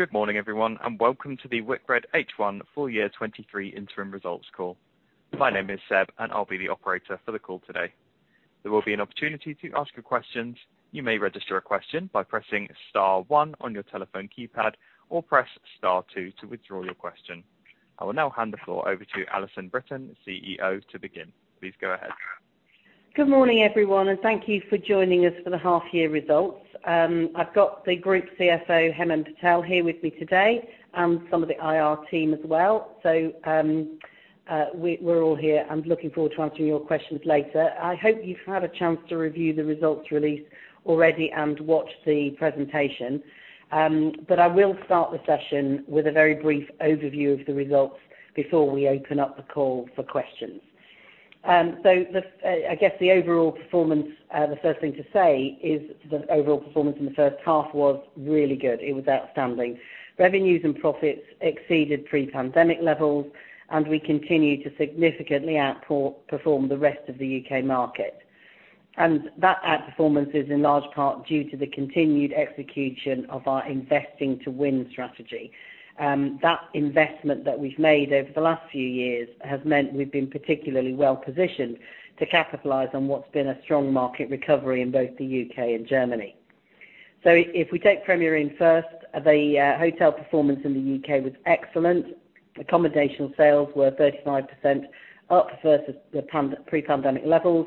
Good morning, everyone, and welcome to the Whitbread H1 for year 2023 interim results call. My name is Seb, and I'll be the operator for the call today. There will be an opportunity to ask your questions. You may register a question by pressing star one on your telephone keypad or press star two to withdraw your question. I will now hand the floor over to Alison Brittain, CEO, to begin. Please go ahead. Good morning, everyone, and thank you for joining us for the half year results. I've got the Group CFO, Hemant Patel, here with me today and some of the IR team as well. We're all here and looking forward to answering your questions later. I hope you've had a chance to review the results released already and watch the presentation. I will start the session with a very brief overview of the results before we open up the call for questions. I guess the overall performance, the first thing to say is the overall performance in the first half was really good. It was outstanding. Revenues and profits exceeded pre-pandemic levels, and we continue to significantly outperform the rest of the U.K. market. That outperformance is in large part due to the continued execution of our Investing to Win strategy. That investment that we've made over the last few years has meant we've been particularly well-positioned to capitalize on what's been a strong market recovery in both the U.K. and Germany. If we take Premier Inn first, the hotel performance in the U.K. was excellent. Accommodation sales were 35% up versus the pre-pandemic levels,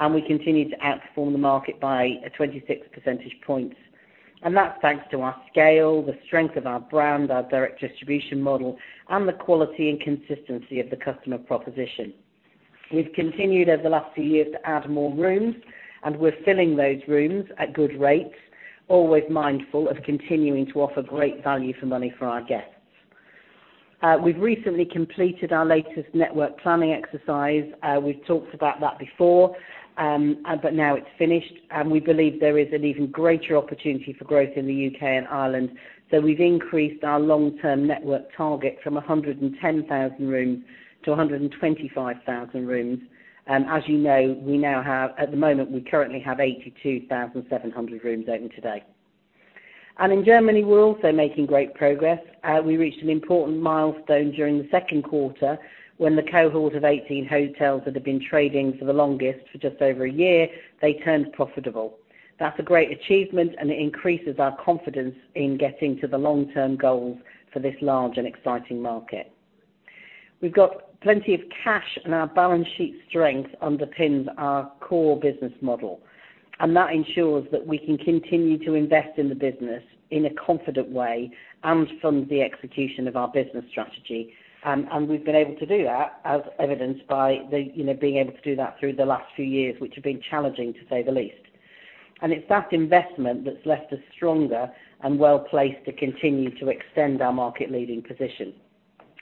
and we continued to outperform the market by 26 percentage points. That's thanks to our scale, the strength of our brand, our direct distribution model, and the quality and consistency of the customer proposition. We've continued over the last few years to add more rooms, and we're filling those rooms at good rates, always mindful of continuing to offer great value for money for our guests. We've recently completed our latest network planning exercise. We've talked about that before, but now it's finished, and we believe there is an even greater opportunity for growth in the U.K. and Ireland. We've increased our long-term network target from 110,000 rooms to 125,000 rooms. As you know, at the moment we currently have 82,700 rooms open today. In Germany, we're also making great progress. We reached an important milestone during the second quarter when the cohort of 18 hotels that have been trading for the longest for just over a year, they turned profitable. That's a great achievement, and it increases our confidence in getting to the long-term goals for this large and exciting market. We've got plenty of cash, and our balance sheet strength underpins our core business model, and that ensures that we can continue to invest in the business in a confident way and from the execution of our business strategy. We've been able to do that as evidenced by the, you know, being able to do that through the last few years, which have been challenging, to say the least. It's that investment that's left us stronger and well-placed to continue to extend our market-leading position.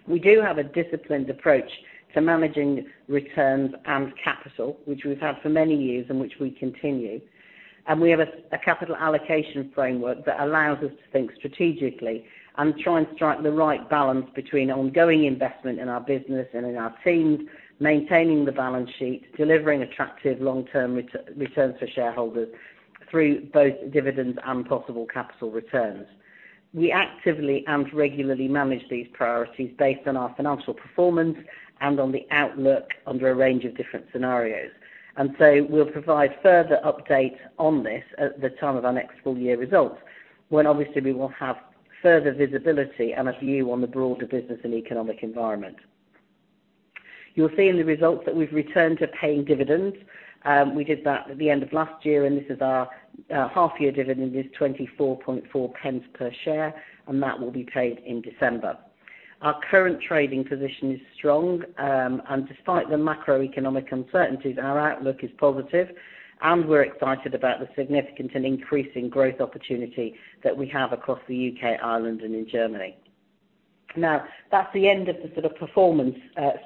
We do have a disciplined approach to managing returns and capital, which we've had for many years in which we continue. We have a capital allocation framework that allows us to think strategically and try and strike the right balance between ongoing investment in our business and in our teams, maintaining the balance sheet, delivering attractive long-term returns for shareholders through both dividends and possible capital returns. We actively and regularly manage these priorities based on our financial performance and on the outlook under a range of different scenarios. We'll provide further updates on this at the time of our next full-year results, when obviously we will have further visibility and a view on the broader business and economic environment. You'll see in the results that we've returned to paying dividends. We did that at the end of last year, and this is our half year dividend is 0.244 per share, and that will be paid in December. Our current trading position is strong, and despite the macroeconomic uncertainties, our outlook is positive, and we're excited about the significant and increasing growth opportunity that we have across the U.K., Ireland, and in Germany. Now, that's the end of the sort of performance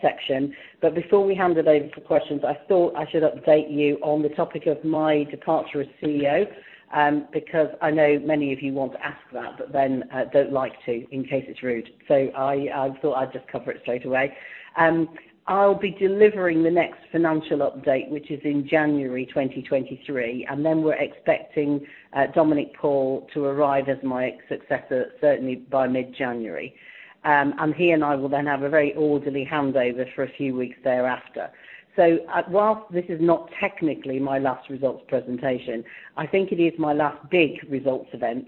section. Before we hand it over for questions, I thought I should update you on the topic of my departure as CEO, because I know many of you want to ask that, but then, don't like to in case it's rude. I thought I'd just cover it straight away. I'll be delivering the next financial update, which is in January 2023, and then we're expecting Dominic Paul to arrive as my successor, certainly by mid-January. He and I will then have a very orderly handover for a few weeks thereafter. While this is not technically my last results presentation, I think it is my last big results event,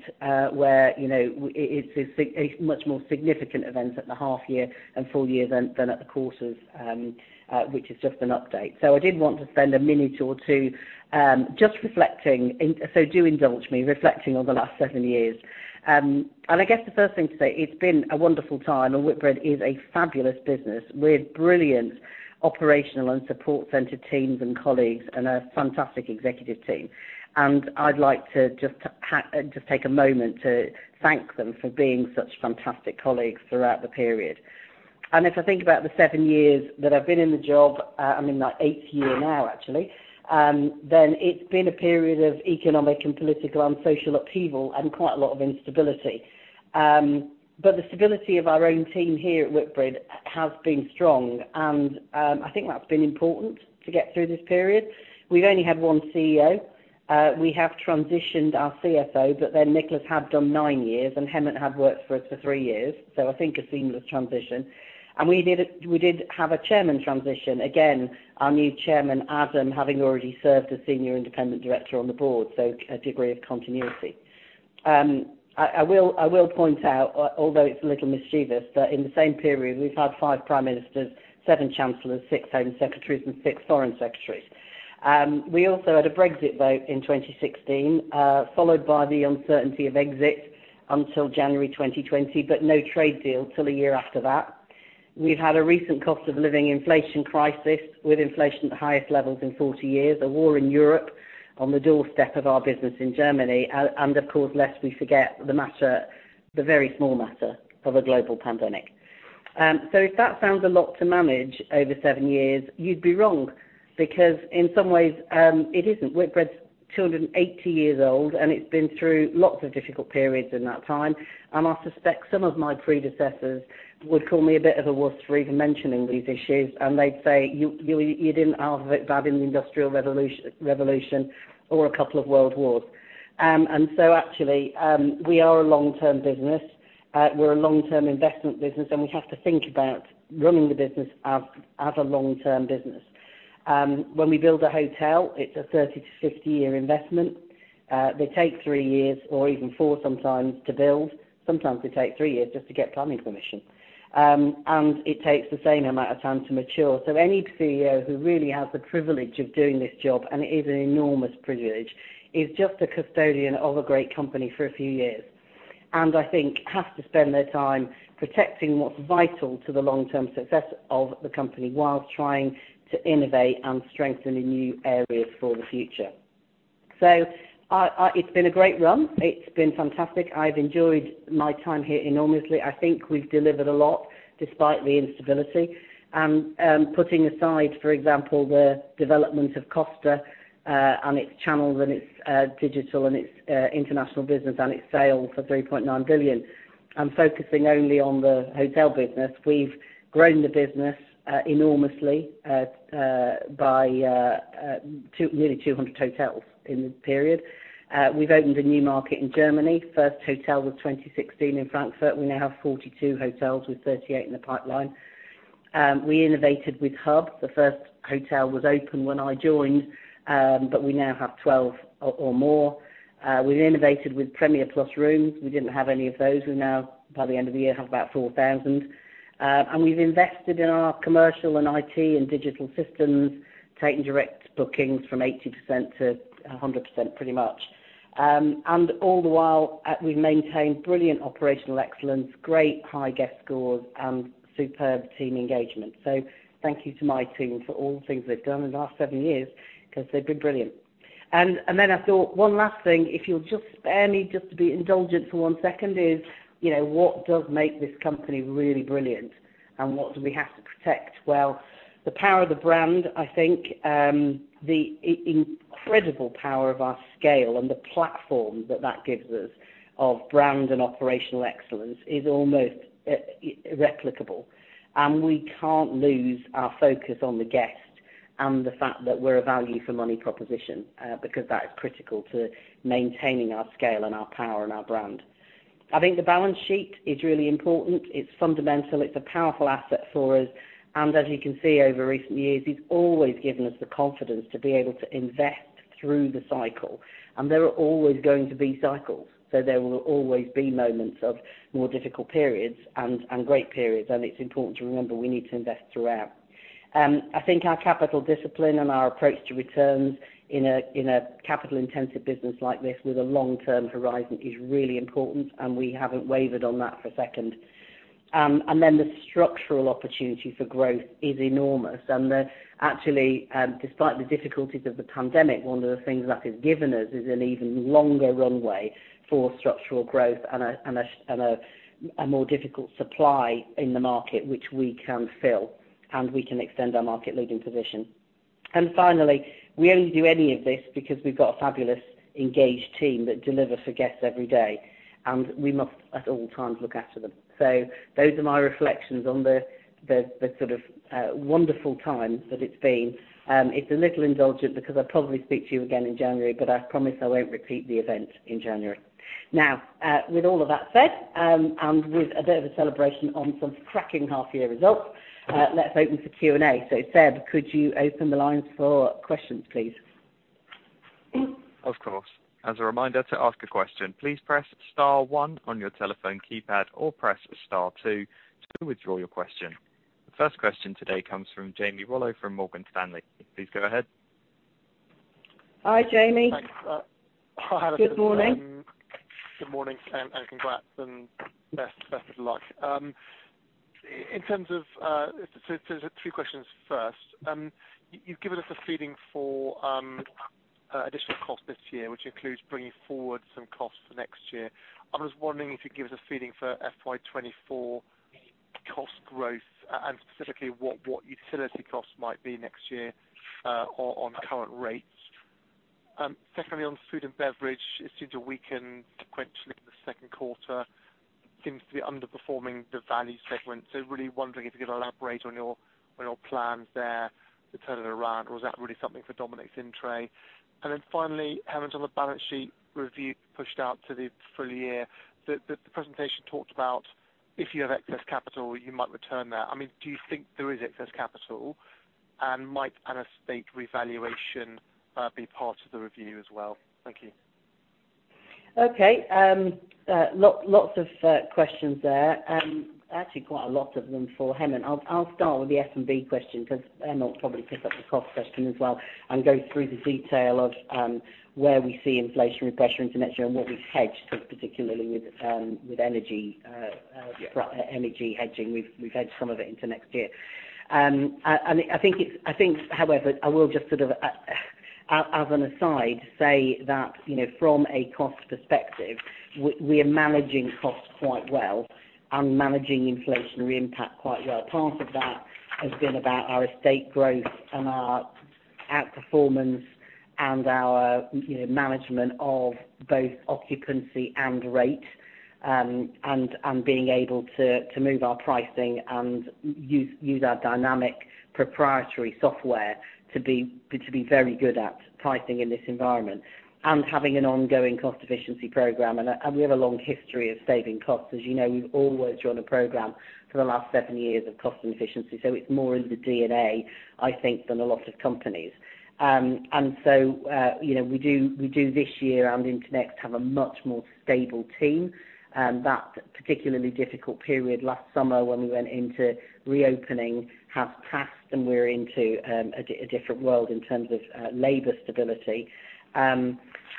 where, you know, it is a much more significant event at the half year and full year event than at the quarters, which is just an update. I did want to spend a minute or two, just reflecting and do indulge me, reflecting on the last seven years. I guess the first thing to say, it's been a wonderful time, and Whitbread is a fabulous business with brilliant operational and support center teams and colleagues and a fantastic executive team. I'd like to just take a moment to thank them for being such fantastic colleagues throughout the period. If I think about the seven years that I've been in the job, I'm in my eighth year now, actually, then it's been a period of economic and political and social upheaval and quite a lot of instability. The stability of our own team here at Whitbread has been strong, and I think that's been important to get through this period. We've only had one CEO. We have transitioned our CFO, but then Nicholas had done nine years and Hemant had worked for us for three years. I think a seamless transition. We did have a Chairman transition. Again, our new Chairman, Adam, having already served as Senior Independent Director on the Board, so a degree of continuity. I will point out, although it's a little mischievous, that in the same period, we've had five Prime Ministers, seven Chancellors, six Home Secretaries, and six Foreign Secretaries. We also had a Brexit vote in 2016, followed by the uncertainty of exit until January 2020, but no trade deal till a year after that. We've had a recent cost of living inflation crisis with inflation at the highest levels in 40 years, a war in Europe on the doorstep of our business in Germany, and of course, lest we forget, the very small matter of a global pandemic. If that sounds a lot to manage over seven years, you'd be wrong because in some ways, it isn't. Whitbread's 280 years old, and it's been through lots of difficult periods in that time. I suspect some of my predecessors would call me a bit of a worster for even mentioning these issues, and they'd say, "You didn't have it that bad in the Industrial Revolution or a couple of world wars." We are a long-term business. We're a long-term investment business, and we have to think about running the business as a long-term business. When we build a hotel, it's a 30 to 50 year investment. They take three years or even four sometimes to build. Sometimes they take three years just to get planning permission. It takes the same amount of time to mature. Any CEO who really has the privilege of doing this job, and it is an enormous privilege, is just a custodian of a great company for a few years, and I think has to spend their time protecting what's vital to the long-term success of the company while trying to innovate and strengthen in new areas for the future. It's been a great run. It's been fantastic. I've enjoyed my time here enormously. I think we've delivered a lot despite the instability. Putting aside, for example, the development of Costa, and its channels and its digital and its international business and its sales for 3.9 billion, and focusing only on the hotel business, we've grown the business enormously by nearly 200 hotels in the period. We've opened a new market in Germany. First hotel was 2016 in Frankfurt. We now have 42 hotels with 38 in the pipeline. We innovated with Hub. The first hotel was open when I joined, but we now have 12 or more. We've innovated with Premier Plus rooms. We didn't have any of those. We now, by the end of the year, have about 4,000. We've invested in our commercial and IT and digital systems, taking direct bookings from 80% to 100% pretty much. All the while, we've maintained brilliant operational excellence, great high guest scores, and superb team engagement. Thank you to my team for all the things they've done in the last seven years, because they've been brilliant. I thought, one last thing, if you'll just spare me just to be indulgent for one second, you know, what does make this company really brilliant and what do we have to protect? Well, the power of the brand, I think, the incredible power of our scale and the platform that that gives us of brand and operational excellence is almost irreplicable. We can't lose our focus on the guest and the fact that we're a value for money proposition, because that is critical to maintaining our scale and our power and our brand. I think the balance sheet is really important. It's fundamental. It's a powerful asset for us. As you can see over recent years, it's always given us the confidence to be able to invest through the cycle. There are always going to be cycles, so there will always be moments of more difficult periods and great periods. It's important to remember we need to invest throughout. I think our capital discipline and our approach to returns in a capital-intensive business like this with a long-term horizon is really important, and we haven't wavered on that for a second. The structural opportunity for growth is enormous. Actually, despite the difficulties of the pandemic, one of the things that has given us is an even longer runway for structural growth and a more difficult supply in the market, which we can fill, and we can extend our market-leading position. Finally, we only do any of this because we've got a fabulous, engaged team that deliver for guests every day, and we must, at all times, look after them. Those are my reflections on the sort of wonderful time that it's been. It's a little indulgent because I'll probably speak to you again in January, but I promise I won't repeat the event in January. Now, with all of that said, and with a bit of a celebration on some cracking half-year results, let's open for Q&A. Seb, could you open the lines for questions, please? Of course. As a reminder, to ask a question, please press star one on your telephone keypad or press star two to withdraw your question. The first question today comes from Jamie Rollo from Morgan Stanley. Please go ahead. Hi, Jamie. Thanks. Hi, Alison. Good morning. Good morning, and congrats and best of luck. In terms of, so two questions first. You've given us a feeling for additional cost this year, which includes bringing forward some costs for next year. I was wondering if you could give us a feeling for FY 2024 cost growth, and specifically what utility costs might be next year, on current rates. Secondly, on food and beverage, it seemed to weaken sequentially in the second quarter. Seems to be underperforming the value segment. Really wondering if you could elaborate on your plans there to turn it around or is that really something for Dominic's in-tray? Then finally, Hemant, on the balance sheet review pushed out to the full year. The presentation talked about if you have excess capital, you might return that. I mean, do you think there is excess capital? Might an estate revaluation be part of the review as well? Thank you. Okay. Lots of questions there. Actually quite a lot of them for Hemant. I'll start with the F&B question because Hemant will probably pick up the cost question as well and go through the detail of where we see inflationary pressure into next year and what we've hedged, particularly with energy hedging. We've hedged some of it into next year. I think, however, I will just sort of as an aside say that, you know, from a cost perspective, we are managing costs quite well and managing inflationary impact quite well. Part of that has been about our estate growth and our outperformance and our, you know, management of both occupancy and rate, and being able to move our pricing and use our dynamic proprietary software to be very good at pricing in this environment and having an ongoing cost efficiency program. We have a long history of saving costs. As you know, we've always run a program for the last seven years of cost and efficiency, so it's more in the DNA, I think, than a lot of companies. You know, we do this year and into next have a much more stable team. That particularly difficult period last summer when we went into reopening has passed and we're into a different world in terms of labor stability.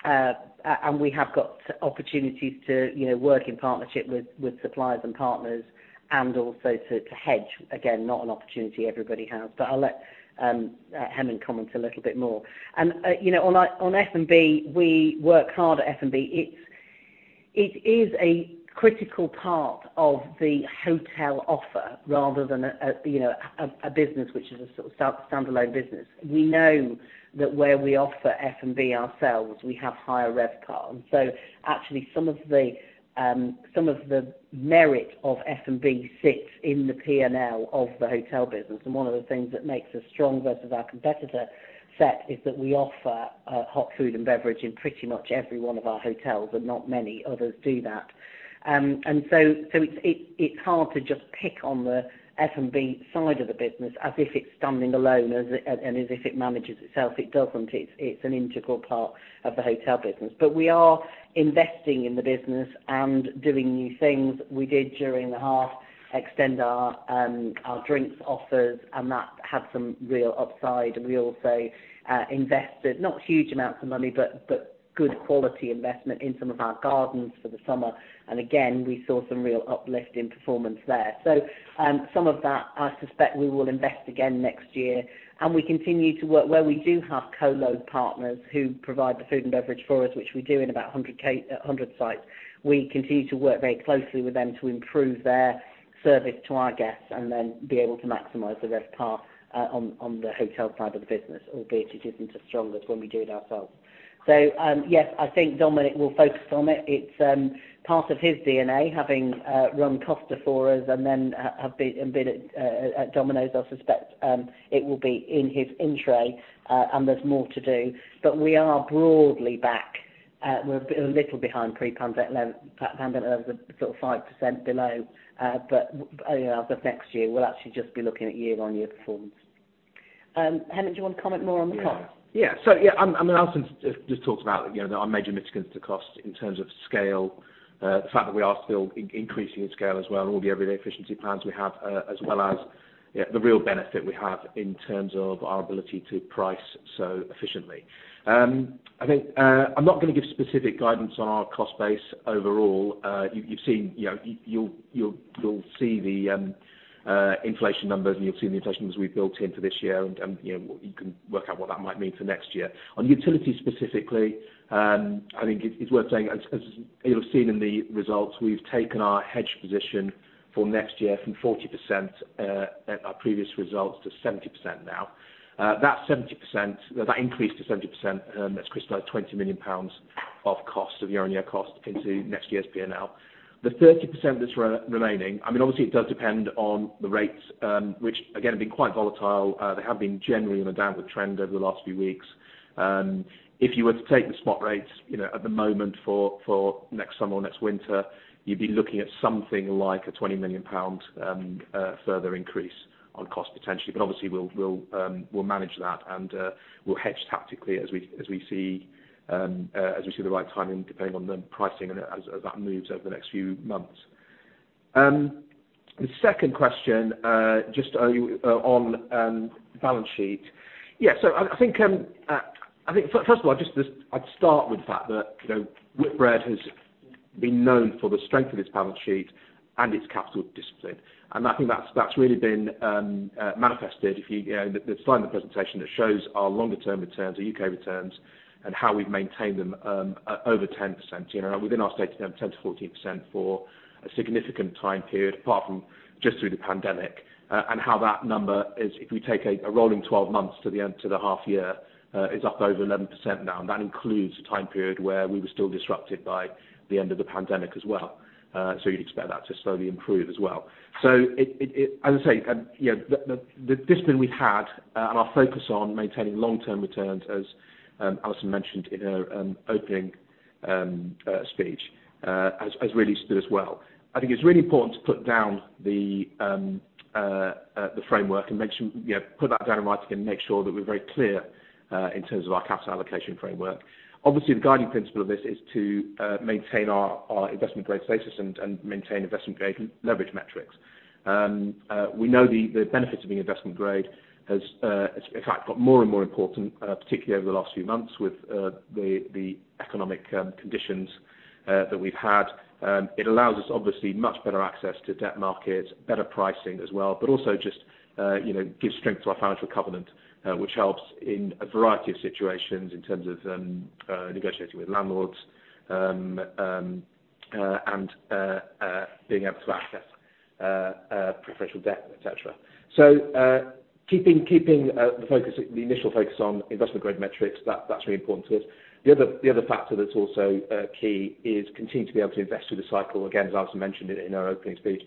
We have got opportunities to work in partnership with suppliers and partners and also to hedge. Again, not an opportunity everybody has. I'll let Hemant comment a little bit more. You know, on F&B, we work hard at F&B. It is a critical part of the hotel offer rather than a business which is a sort of standalone business. We know that where we offer F&B ourselves, we have higher RevPAR. Actually some of the merit of F&B sits in the P&L of the hotel business. One of the things that makes us strong versus our competitor set is that we offer hot food and beverage in pretty much every one of our hotels, and not many others do that. It's hard to just pick on the F&B side of the business as if it's standing alone, as if it manages itself. It doesn't. It's an integral part of the hotel business. We are investing in the business and doing new things. We extended during the half our drinks offers, and that had some real upside. We also invested, not huge amounts of money, but good quality investment in some of our gardens for the summer. Again, we saw some real uplift in performance there. Some of that I suspect we will invest again next year. We continue to work where we do have co-located partners who provide the food and beverage for us, which we do in about 100 sites. We continue to work very closely with them to improve their service to our guests and then be able to maximize the RevPAR on the hotel side of the business, albeit it isn't as strong as when we do it ourselves. Yes, I think Dominic will focus on it. It's part of his DNA having run Costa for us and then have been at Domino's. I suspect it will be in his in-tray and there's more to do. We are broadly back. We're a little behind pre-pandemic levels, sort of 5% below. You know, as of next year, we'll actually just be looking at year-on-year performance. Hemant, do you want to comment more on the cost? I mean, Alison just talked about, you know, our major mitigants to cost in terms of scale, the fact that we are still increasing in scale as well, and all the everyday efficiency plans we have, as well as, you know, the real benefit we have in terms of our ability to price so efficiently. I think, I'm not gonna give specific guidance on our cost base overall. You've seen, you know, you'll see the inflation numbers and you'll see the inflation numbers we've built in for this year and, you know, you can work out what that might mean for next year. On utilities specifically, I think it's worth saying, as you'll have seen in the results, we've taken our hedge position for next year from 40% at our previous results to 70% now. That 70%, that increase to 70%, that's crystallized 20 million pounds of cost, of year-on-year cost into next year's P&L. The 30% that's remaining, I mean, obviously it does depend on the rates, which again have been quite volatile. They have been generally on a downward trend over the last few weeks. If you were to take the spot rates, you know, at the moment for next summer or next winter, you'd be looking at something like a 20 million pound further increase on cost potentially. Obviously we'll manage that and we'll hedge tactically as we see the right timing, depending on the pricing and as that moves over the next few months. The second question, just are you on balance sheet? Yeah. I think first of all, just this, I'd start with the fact that, you know, Whitbread has been known for the strength of its balance sheet and its capital discipline. I think that's really been manifested if you know the slide in the presentation that shows our longer-term returns, our U.K. returns, and how we've maintained them over 10%, you know, within our stated 10%-14% for a significant time period, apart from just through the pandemic, and how that number is, if we take a rolling 12 months to the end, to the half year, is up over 11% now, and that includes a time period where we were still disrupted by the end of the pandemic as well. You'd expect that to slowly improve as well. It, as I say, you know, the discipline we've had and our focus on maintaining long-term returns as Alison mentioned in her opening speech has really stood us well. I think it's really important to put down the framework and make sure, you know, put that down in writing and make sure that we're very clear in terms of our capital allocation framework. Obviously, the guiding principle of this is to maintain our investment grade status and maintain investment grade leverage metrics. We know the benefits of being investment grade has in fact got more and more important, particularly over the last few months with the economic conditions that we've had. It allows us, obviously, much better access to debt markets, better pricing as well, but also just, you know, gives strength to our financial covenant, which helps in a variety of situations in terms of negotiating with landlords, and being able to access preferential debt, et cetera. Keeping the initial focus on investment-grade metrics, that's really important to us. The other factor that's also key is continuing to be able to invest through the cycle, again, as Alison mentioned in her opening speech.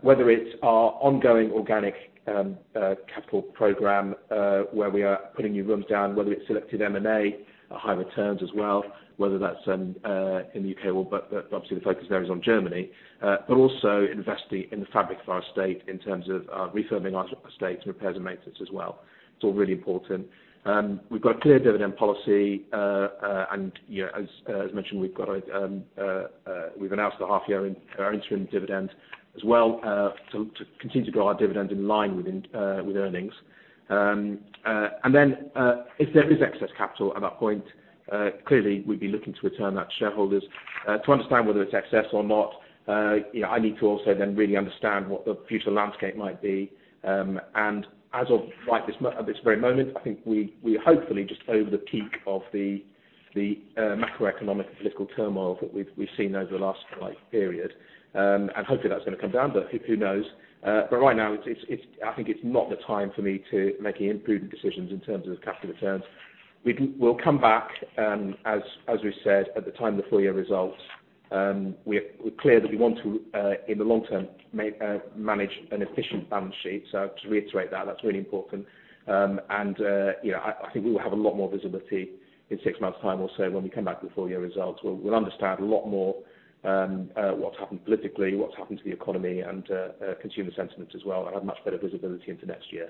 Whether it's our ongoing organic capital program, where we are putting new rooms down, whether it's selective M&A, higher returns as well, whether that's in the U.K. or both, obviously the focus there is on Germany, but also investing in the fabric of our estate in terms of refurbishing our estate and repairs and maintenance as well. It's all really important. We've got a clear dividend policy, and you know, as mentioned, we've announced the half-year interim dividend as well to continue to grow our dividend in line with earnings. If there is excess capital at that point, clearly we'd be looking to return that to shareholders. To understand whether it's excess or not, you know, I need to also then really understand what the future landscape might be, and as of this very moment, I think we hopefully just over the peak of the macroeconomic political turmoil that we've seen over the last like period. Hopefully that's gonna come down, but who knows? Right now, it's, I think, not the time for me to make any prudent decisions in terms of capital returns. We'll come back, as we said, at the time of the full year results. We're clear that we want to in the long term manage an efficient balance sheet. To reiterate that's really important. You know, I think we will have a lot more visibility in six months' time or so when we come back with the full year results. We'll understand a lot more, what's happened politically, what's happened to the economy and consumer sentiment as well, and have much better visibility into next year.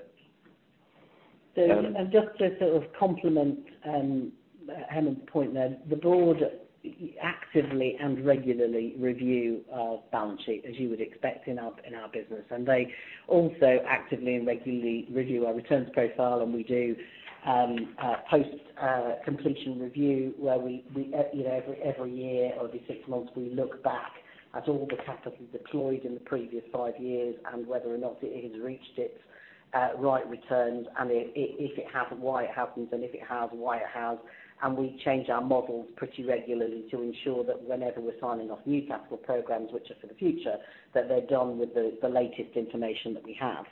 Just to sort of complement Hemant's point there, the board actively and regularly review our balance sheet, as you would expect in our business. They also actively and regularly review our returns profile, and we do a post completion review where we, you know, every year or six months, we look back at all the capital deployed in the previous five years and whether or not it has reached its right returns, and if it hasn't, why it hasn't, and if it has, why it has. We change our models pretty regularly to ensure that whenever we're signing off new capital programs, which are for the future, that they're done with the latest information that we have.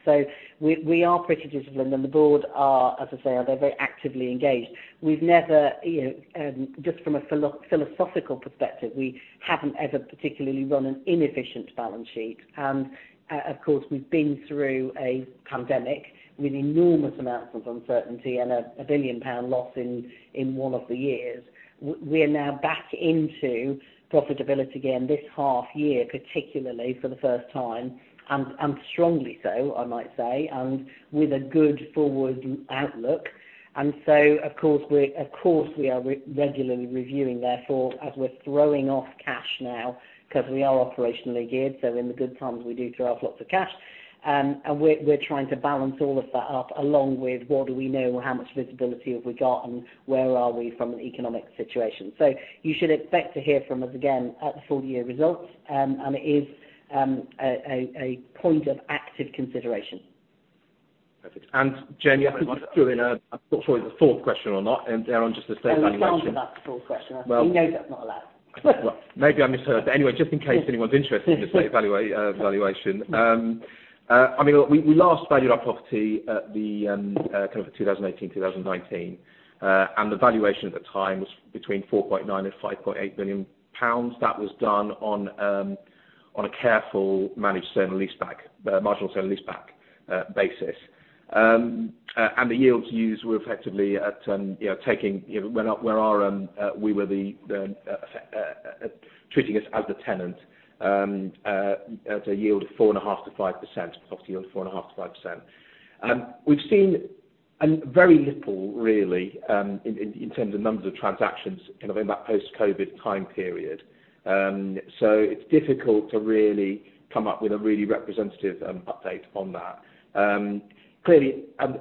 We are pretty disciplined, and the board are, as I say, very actively engaged. We've never, you know, just from a philosophical perspective, we haven't ever particularly run an inefficient balance sheet. Of course, we've been through a pandemic with enormous amounts of uncertainty and a 1 billion pound loss in one of the years. We're now back into profitability again this half year, particularly for the first time, and strongly so, I might say, and with a good forward outlook. Of course we're regularly reviewing therefore, as we're throwing off cash now because we are operationally geared, so in the good times, we do throw off lots of cash. We're trying to balance all of that up along with what do we know, how much visibility have we got, and where are we from an economic situation. You should expect to hear from us again at the full year results, and it is a point of active consideration. Perfect. Jamie Rollo, I think I threw in a, not sure it was a fourth question or not, and they're on just the third valuation. That was bound to be the fourth question. You know that's not allowed. Well, maybe I misheard. Anyway, just in case anyone's interested in this valuation. I mean, we last valued our property at the kind of 2018, 2019, and the valuation at the time was between 4.9 billion and 5.8 billion pounds. That was done on a carefully managed sale and leaseback basis. And the yields used were effectively at, you know, taking, you know, where our, we were treating us as the tenant, at a yield of 4.5%-5%, property yield of 4.5%-5%. We've seen very little really in terms of numbers of transactions kind of in that post-COVID time period. It's difficult to really come up with a really representative update on that. Clearly, and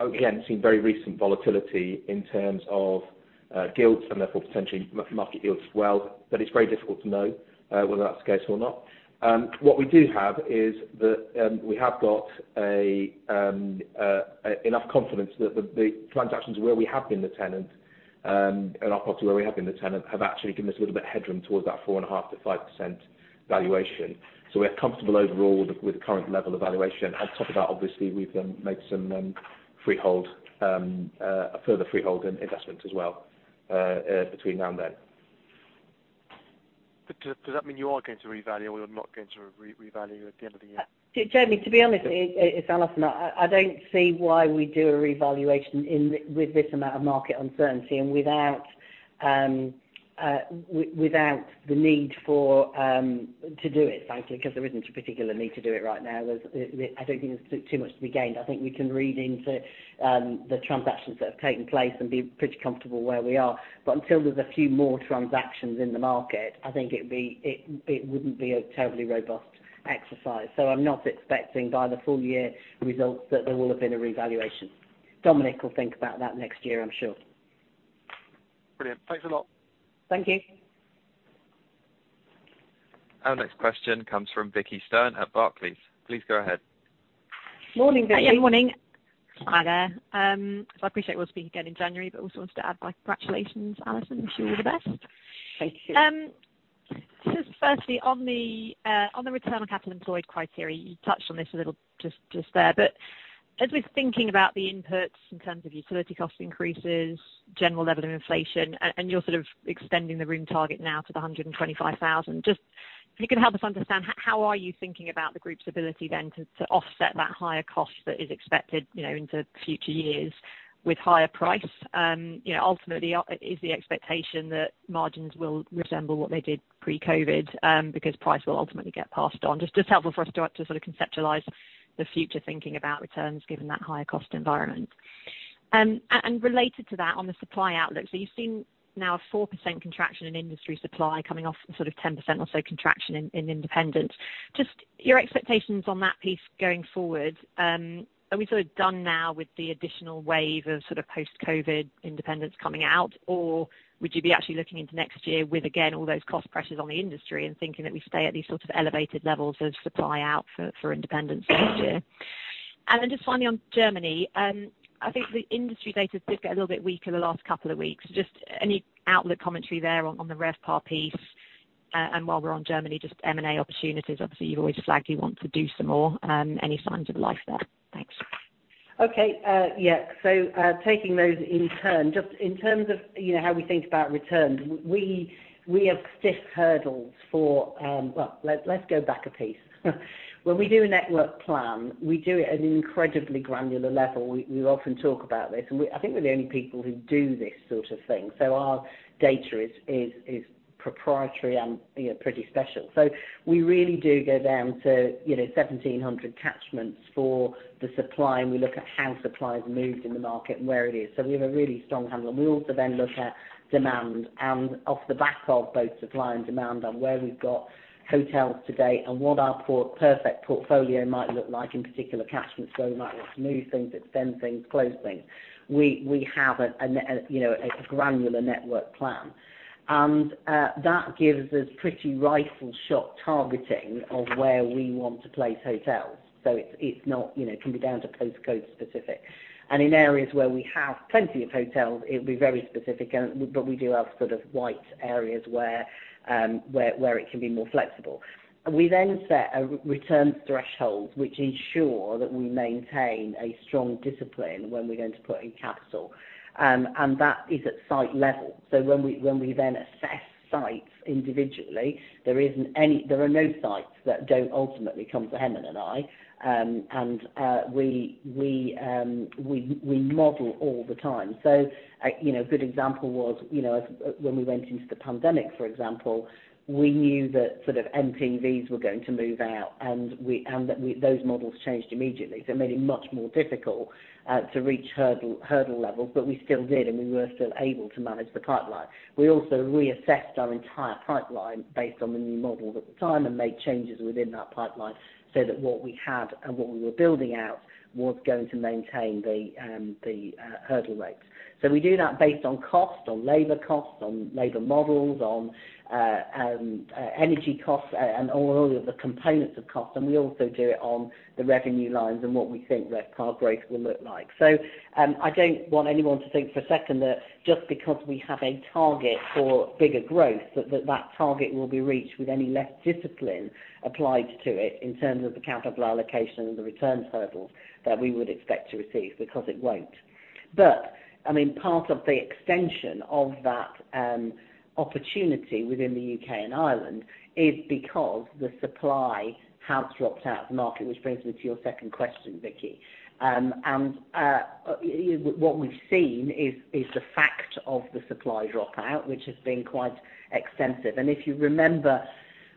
again, seeing very recent volatility in terms of gilts and therefore potentially market yields as well, but it's very difficult to know whether that's the case or not. What we do have is that we have got enough confidence that the transactions where we have been the tenant and our property where we have been the tenant have actually given us a little bit of headroom towards that 4.5%-5% valuation. We're comfortable overall with the current level of valuation. On top of that, obviously, we've made some further freehold investments as well, between now and then. Does that mean you are going to revalue or you're not going to revalue at the end of the year? Jamie, to be honest, it's Alison. I don't see why we do a revaluation with this amount of market uncertainty and without the need for to do it frankly, because there isn't a particular need to do it right now. I don't think there's too much to be gained. I think we can read into the transactions that have taken place and be pretty comfortable where we are. Until there's a few more transactions in the market, I think it wouldn't be a terribly robust exercise. I'm not expecting by the full year results that there will have been a revaluation. Dominic will think about that next year, I'm sure. Brilliant. Thanks a lot. Thank you. Our next question comes from Vicki Stern at Barclays. Please go ahead. Morning, Vicki. Yeah, morning. Hi there. I appreciate we'll speak again in January, but also wanted to add my congratulations, Alison. Wish you all the best. Thank you. Just firstly, on the return on capital employed criteria, you touched on this a little just there. As we're thinking about the inputs in terms of utility cost increases, general level of inflation, and you're sort of extending the room target now to the 125,000, just if you could help us understand how are you thinking about the group's ability then to offset that higher cost that is expected, you know, into future years with higher price? You know, ultimately, is the expectation that margins will resemble what they did pre-COVID, because price will ultimately get passed on? Just helpful for us to sort of conceptualize the future thinking about returns given that higher cost environment. Related to that, on the supply outlook, you've seen now a 4% contraction in industry supply coming off sort of 10% or so contraction in independents. Just your expectations on that piece going forward, are we sort of done now with the additional wave of sort of post-COVID independents coming out? Or would you be actually looking into next year with, again, all those cost pressures on the industry and thinking that we stay at these sort of elevated levels of supply out for independents next year? Then just finally on Germany, I think the industry data did get a little bit weaker the last couple of weeks. Just any outlook commentary there on the RevPAR piece. While we're on Germany, just M&A opportunities. Obviously, you've always flagged you want to do some more. Any signs of life there? Thanks. Taking those in turn, just in terms of, you know, how we think about returns, we have stiff hurdles for. Well, let's go back a piece. When we do a network plan, we do it at an incredibly granular level. We often talk about this, and we, I think we're the only people who do this sort of thing. Our data is proprietary and, you know, pretty special. We really do go down to, you know, 1,700 catchments for the supply, and we look at how supply has moved in the market and where it is. We have a really strong handle. We also then look at demand and off the back of both supply and demand on where we've got hotels today and what our perfect portfolio might look like in particular catchments, where we might want to move things, extend things, close things. We have a, you know, a granular network plan. That gives us pretty rifle shot targeting of where we want to place hotels. It's not, you know, it can be down to postcode specific. In areas where we have plenty of hotels, it'll be very specific and, but we do have sort of white areas where it can be more flexible. We then set a return threshold, which ensure that we maintain a strong discipline when we're going to put in capital, and that is at site level. When we then assess sites individually, there are no sites that don't ultimately come to Hemant and I, and we model all the time. You know, a good example was, you know, when we went into the pandemic, for example, we knew that sort of NPVs were going to move out, and that those models changed immediately. It made it much more difficult to reach hurdle levels, but we still did, and we were still able to manage the pipeline. We also reassessed our entire pipeline based on the new model at the time and made changes within that pipeline so that what we had and what we were building out was going to maintain the hurdle rates. We do that based on cost, on labor costs, on labor models on, energy costs, and all of the components of cost, and we also do it on the revenue lines and what we think RevPAR growth will look like. I don't want anyone to think for a second that just because we have a target for bigger growth that target will be reached with any less discipline applied to it in terms of the capital allocation and the returns hurdles that we would expect to receive, because it won't. I mean, part of the extension of that opportunity within the U.K. and Ireland is because the supply has dropped out of the market, which brings me to your second question, Vicki. What we've seen is the fact of the supply dropout, which has been quite extensive. If you remember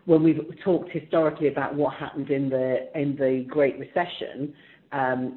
when we've talked historically about what happened in the Great Recession,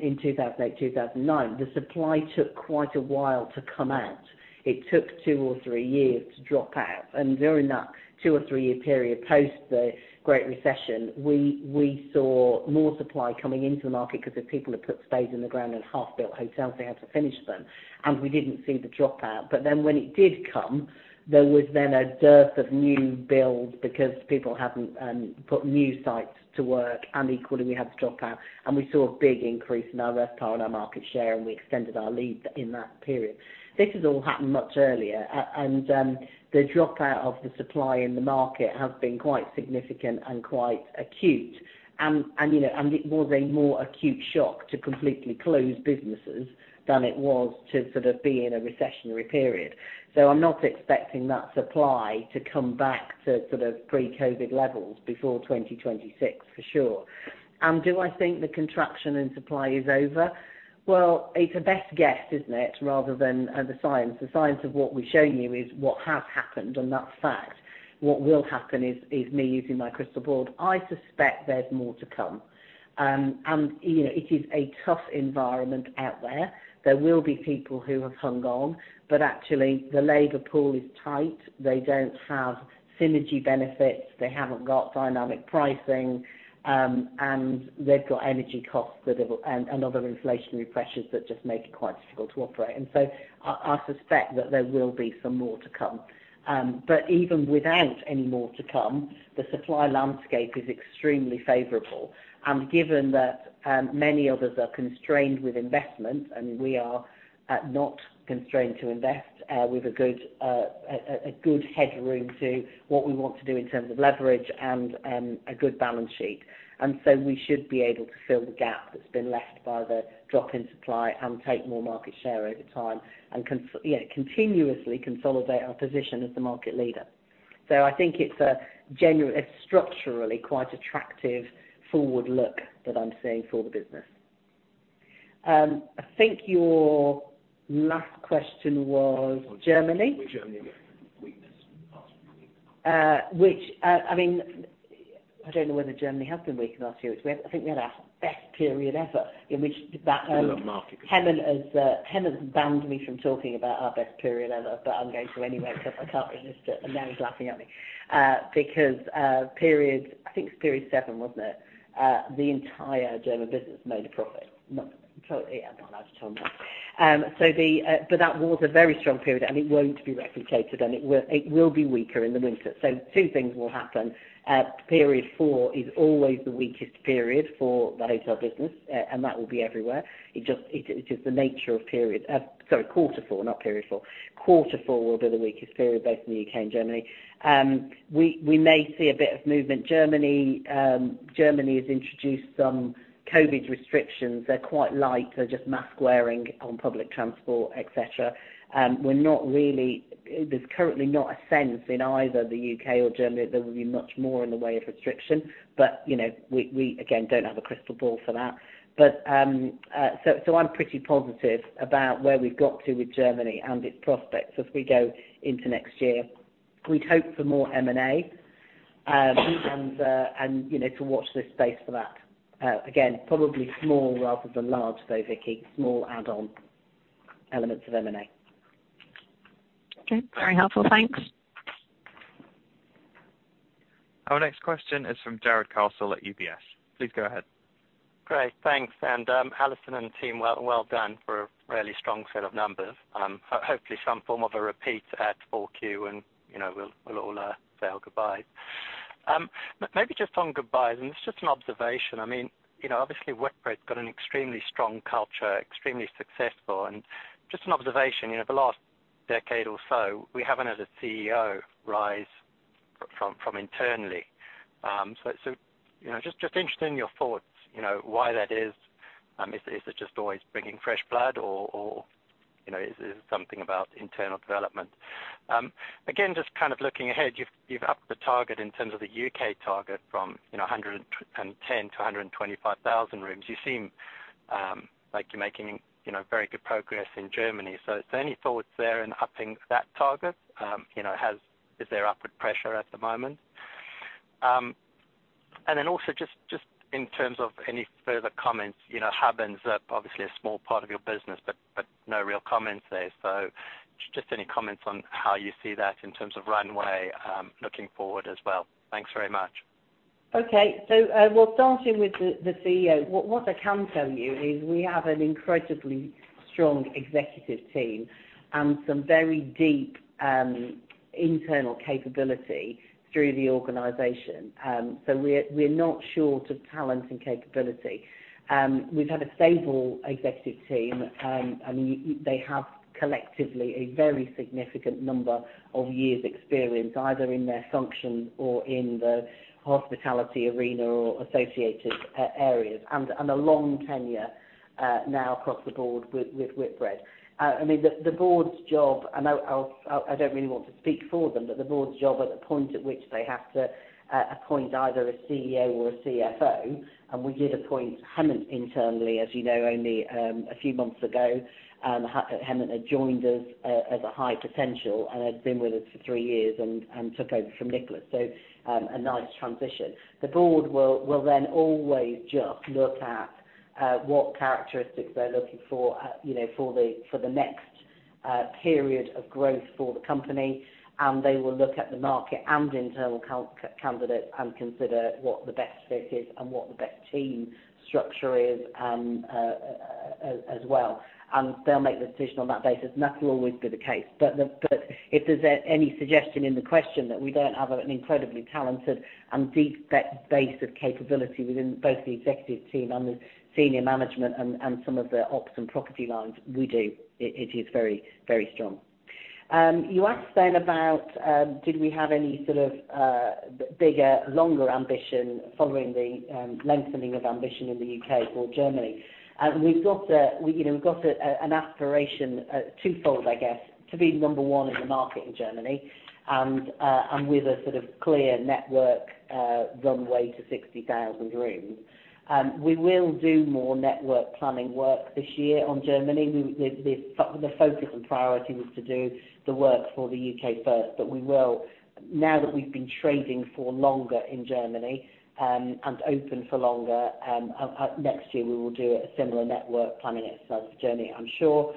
in 2008, 2009, the supply took quite a while to come out. It took two or three years to drop out. During that two or three year period post the Great Recession, we saw more supply coming into the market because the people had put spades in the ground and half-built hotels, they had to finish them, and we didn't see the dropout. When it did come, there was then a dearth of new builds because people hadn't put new sites to work, and equally, we had the dropout, and we saw a big increase in our RevPAR and our market share, and we extended our leads in that period. This has all happened much earlier. The dropout of the supply in the market has been quite significant and quite acute. You know, and it was a more acute shock to completely close businesses than it was to sort of be in a recessionary period. I'm not expecting that supply to come back to sort of pre-COVID levels before 2026, for sure. Do I think the contraction in supply is over? Well, it's a best guess, isn't it? Rather than the science. The science of what we've shown you is what has happened, and that's fact. What will happen is me using my crystal ball. I suspect there's more to come. You know, it is a tough environment out there. There will be people who have hung on, but actually the labor pool is tight. They don't have synergy benefits, they haven't got dynamic pricing, and they've got energy costs and other inflationary pressures that just make it quite difficult to operate. I suspect that there will be some more to come. Even without any more to come, the supply landscape is extremely favorable. Given that, many others are constrained with investment, and we are not constrained to invest, with a good headroom to what we want to do in terms of leverage and a good balance sheet. We should be able to fill the gap that's been left by the drop in supply and take more market share over time and you know, continuously consolidate our position as the market leader. I think it's a genuine structurally quite attractive forward look that I'm seeing for the business. I think your last question was Germany. Germany, yeah. I mean, I don't know whether Germany has been weak in the last few weeks. We had our best period ever. Hemant has banned me from talking about our best period ever, but I'm going to anyway because I can't resist it. Now he's laughing at me. Because, I think it's period seven, wasn't it? The entire German business made a profit. But that was a very strong period, and it will be weaker in the winter. Two things will happen. Period four is always the weakest period for the hotel business, and that will be everywhere. It just, it's just the nature of period. Sorry, quarter four, not period four. Quarter four will be the weakest period both in the U.K. and Germany. We may see a bit of movement. Germany has introduced some COVID restrictions. They're quite light. They're just mask wearing on public transport, et cetera. There's currently not a sense in either the U.K. or Germany that there will be much more in the way of restriction. You know, we again don't have a crystal ball for that. I'm pretty positive about where we've got to with Germany and its prospects as we go into next year. We'd hope for more M&A and, you know, to watch this space for that. Again, probably small rather than large, though, Vicki. More add-on elements of M&A. Okay. Very helpful. Thanks. Our next question is from Jarrod Castle at UBS. Please go ahead. Great. Thanks. Alison and team, well done for a really strong set of numbers. Hopefully some form of a repeat at 4Q, and you know, we'll all say our goodbyes. Maybe just on goodbyes, and this is just an observation. I mean, you know, obviously Whitbread's got an extremely strong culture, extremely successful. Just an observation, you know, the last decade or so, we haven't had a CEO rise from internally. So you know, just interested in your thoughts, you know, why that is. Is it just always bringing fresh blood or you know, is it something about internal development? Again, just kind of looking ahead, you've upped the target in terms of the U.K. target from, you know, 110,000 to 125,000 rooms. You seem like you're making, you know, very good progress in Germany. Is there any thoughts there in upping that target? You know, is there upward pressure at the moment? Also just in terms of any further comments, you know, Hub and Zip, obviously a small part of your business, but no real comments there. Just any comments on how you see that in terms of runway looking forward as well. Thanks very much. Okay. Well, starting with the CEO, what I can tell you is we have an incredibly strong executive team and some very deep internal capability through the organization. We're not short of talent and capability. We've had a stable Executive team, and they have collectively a very significant number of years experience, either in their function or in the hospitality arena or associated areas, and a long tenure now across the board with Whitbread. I mean, the Board's job, and I don't really want to speak for them, but the board's job at the point at which they have to appoint either a CEO or a CFO, and we did appoint Hemant internally, as you know, only a few months ago. Hemant had joined us as a high potential and had been with us for three years and took over from Nicholas. A nice transition. The Board will then always just look at what characteristics they're looking for, you know, for the next period of growth for the company. They will look at the market and internal candidate and consider what the best fit is and what the best team structure is, as well. They'll make the decision on that basis, and that will always be the case. If there's any suggestion in the question that we don't have an incredibly talented and deep base of capability within both the Executive team and the Senior Management and some of the ops and property lines, we do. It is very, very strong. You asked then about, did we have any sort of, bigger, longer ambition following the, lengthening of ambition in the U.K. or Germany. We've got a, you know, we've got an aspiration, twofold I guess, to be number one in the market in Germany and with a sort of clear network, runway to 60,000 rooms. We will do more network planning work this year on Germany. The focus and priority was to do the work for the U.K. first, but we will. Now that we've been trading for longer in Germany, and open for longer, next year we will do a similar network planning exercise for Germany, I'm sure.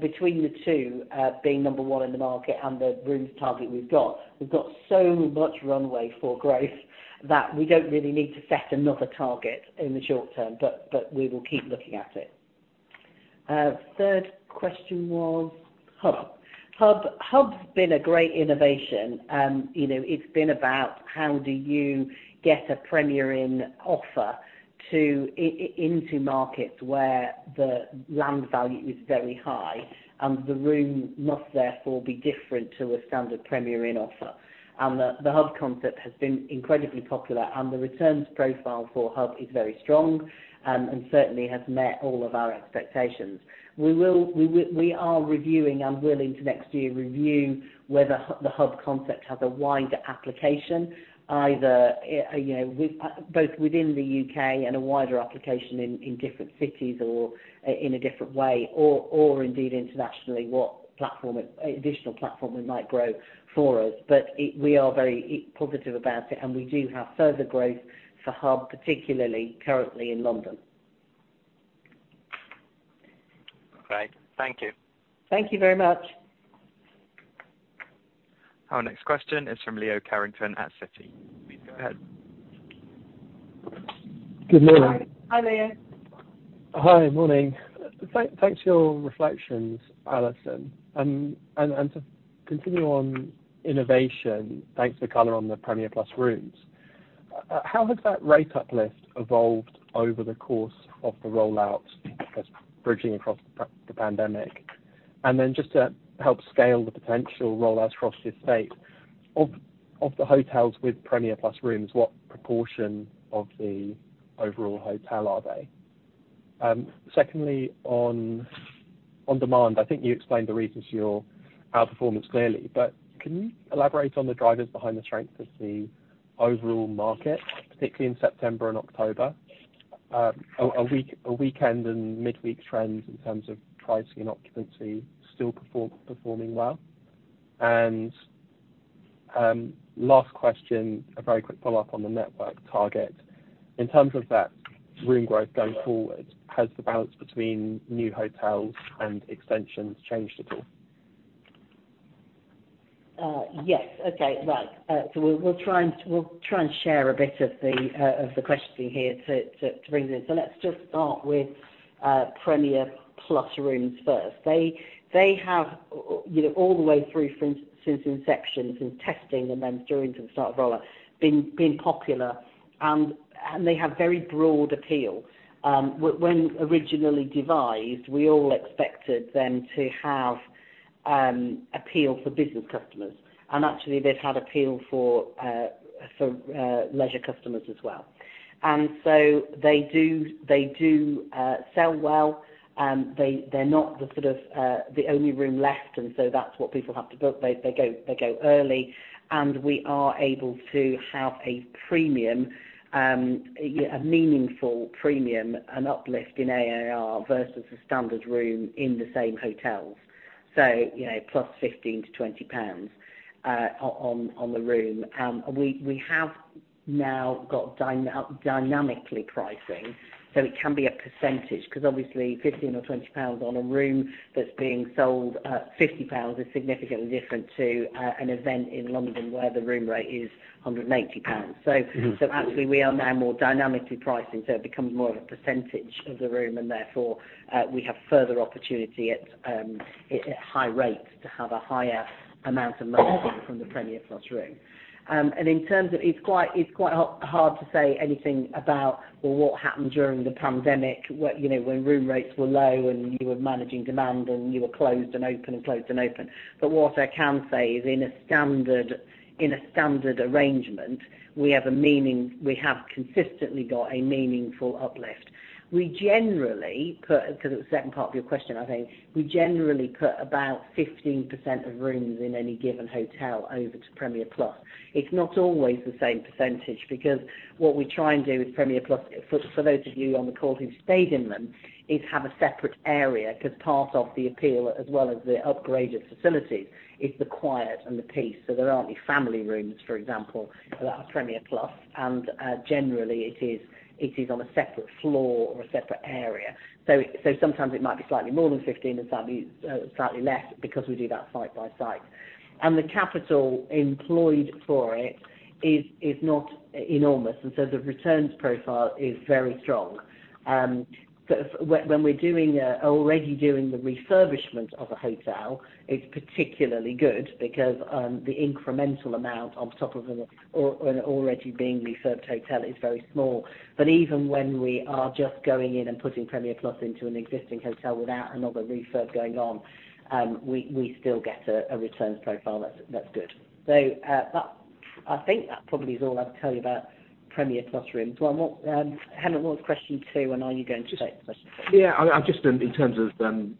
Between the two, being number one in the market and the rooms target we've got, we've got so much runway for growth that we don't really need to set another target in the short term, but we will keep looking at it. Third question was Hub. Hub's been a great innovation. You know, it's been about how do you get a Premier Inn offer to into markets where the land value is very high and the room must therefore be different to a standard Premier Inn offer. The Hub concept has been incredibly popular, and the returns profile for Hub is very strong, and certainly has met all of our expectations. We are reviewing and will into next year review whether the Hub concept has a wider application, either with both within the U.K. and a wider application in different cities or in a different way, or indeed internationally, what additional platform it might grow for us. We are very positive about it, and we do have further growth for Hub, particularly currently in London. Great. Thank you. Thank you very much. Our next question is from Leo Carrington at Citi. Please go ahead. Good morning. Hi, Leo. Hi. Morning. Thanks for your reflections, Alison. To continue on innovation, thanks for color on the Premier Plus rooms. How has that rate uplift evolved over the course of the rollout as bridging across the pandemic? Then just to help scale the potential rollout across the estate, of the hotels with Premier Plus rooms, what proportion of the overall hotel are they? Secondly, on demand, I think you explained the reasons for your outperformance clearly, but can you elaborate on the drivers behind the strength of the overall market, particularly in September and October? Are weekend and midweek trends in terms of pricing and occupancy still performing well? Last question, a very quick follow-up on the network target. In terms of that room growth going forward, has the balance between new hotels and extensions changed at all? We'll try and share a bit of the questioning here to bring this. Let's just start with Premier Plus rooms first. They have you know all the way through from since inception since testing and then during the start of rollout been popular and they have very broad appeal. When originally devised, we all expected them to have appeal for business customers, and actually they've had appeal for leisure customers as well. They do sell well. They're not the sort of the only room left, and so that's what people have to book. They go early, and we are able to have a premium, a meaningful premium and uplift in ARR versus the standard room in the same hotels. You know, plus 15-20 pounds on the room. We have now got dynamic pricing, so it can be a percentage, because obviously 15 or 20 pounds on a room that's being sold at 50 pounds is significantly different to an event in London, where the room rate is 180 pounds. Actually we are now more dynamically pricing, so it becomes more of a percentage of the room, and therefore we have further opportunity at high rates to have a higher amount of revenue from the Premier Plus room. It's quite hard to say anything about, well, what happened during the pandemic, what you know when room rates were low and you were managing demand and you were closed and open and closed and open. What I can say is in a standard arrangement, we have consistently got a meaningful uplift. We generally put, because the second part of your question, I think, about 15% of rooms in any given hotel over to Premier Plus. It's not always the same percentage because what we try and do with Premier Plus, for those of you on the call who've stayed in them, is have a separate area, because part of the appeal as well as the upgraded facilities is the quiet and the peace. There aren't any family rooms, for example, that are Premier Plus, and generally it is on a separate floor or a separate area. Sometimes it might be slightly more than 15 and slightly less because we do that site by site. The capital employed for it is not enormous, and so the returns profile is very strong. When we're already doing the refurbishment of a hotel, it's particularly good because the incremental amount on top of an already being refurbed hotel is very small. Even when we are just going in and putting Premier Plus into an existing hotel without another refurb going on, we still get a returns profile that's good. I think that probably is all I have to tell you about Premier Plus rooms. Well, Hemant, what was question two, and are you going to take the question? Yeah, I just in terms of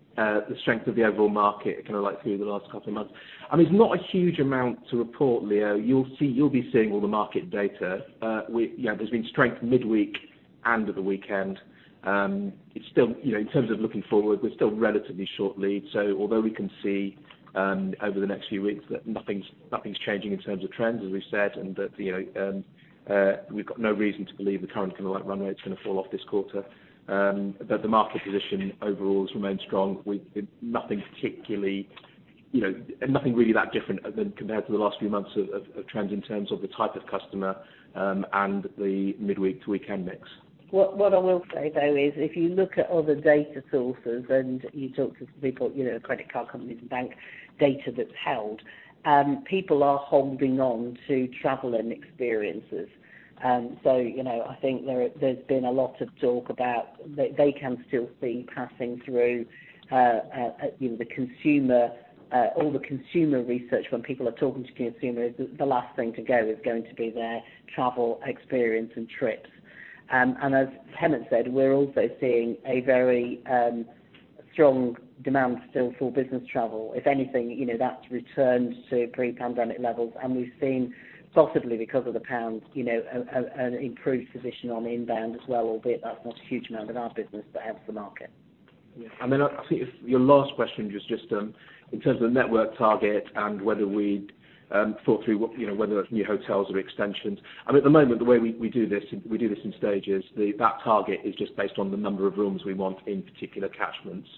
the strength of the overall market, kinda like through the last couple of months. I mean, it's not a huge amount to report, Leo. You'll be seeing all the market data. There's been strength midweek and at the weekend. It's still, you know, in terms of looking forward, we're still relatively short lead. Although we can see over the next few weeks that nothing's changing in terms of trends, as we've said, and that, you know, we've got no reason to believe the current kinda like run rate's gonna fall off this quarter. The market position overall has remained strong. We've nothing particularly, you know, nothing really that different than compared to the last few months of trends in terms of the type of customer, and the midweek to weekend mix. What I will say though is if you look at other data sources and you talk to people, you know, credit card companies and bank data that's held, people are holding on to travel and experiences. You know, I think there's been a lot of talk about they can still see passing through, you know, the consumer, all the consumer research when people are talking to consumers, the last thing to go is going to be their travel experience and trips. As Hemant said, we're also seeing a very strong demand still for business travel. If anything, you know, that's returned to pre-pandemic levels. We've seen, possibly because of the pound, you know, an improved position on inbound as well, albeit that's not a huge amount of our business, but helps the market. I think if your last question was just in terms of the network target and whether we'd thought through what, you know, whether that's new hotels or extensions. At the moment, the way we do this in stages. That target is just based on the number of rooms we want in particular catchments.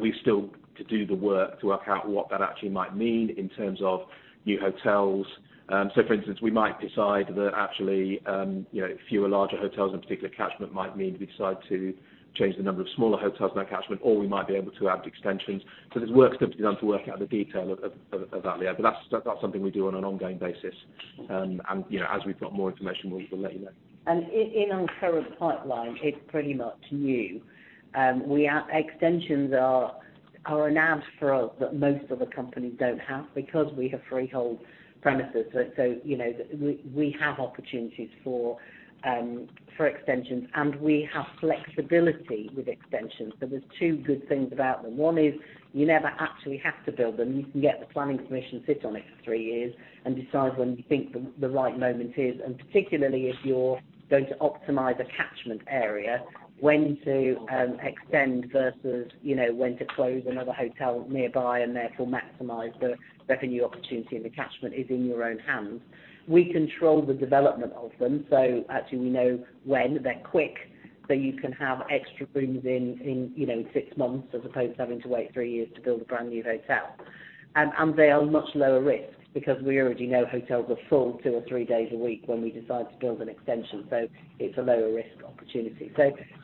We've still to do the work to work out what that actually might mean in terms of new hotels. For instance, we might decide that actually, you know, fewer larger hotels in a particular catchment might mean we decide to change the number of smaller hotels in that catchment, or we might be able to add extensions. There's work still to be done to work out the detail of that, Leo. That's something we do on an ongoing basis. You know, as we've got more information, we'll let you know. In our current pipeline, it's pretty much new. Extensions are an ace for us that most other companies don't have because we have freehold premises. So, you know, we have opportunities for extensions, and we have flexibility with extensions. So there's two good things about them. One is you never actually have to build them. You can get the planning permission, sit on it for three years, and decide when you think the right moment is, and particularly if you're going to optimize a catchment area, when to extend versus, you know, when to close another hotel nearby and therefore maximize the revenue opportunity in the catchment is in your own hands. We control the development of them, so actually we know when they're quick, so you can have extra rooms in you know, six months as opposed to having to wait three years to build a brand new hotel. They are much lower risk because we already know hotels are full two or three days a week when we decide to build an extension. It's a lower risk opportunity.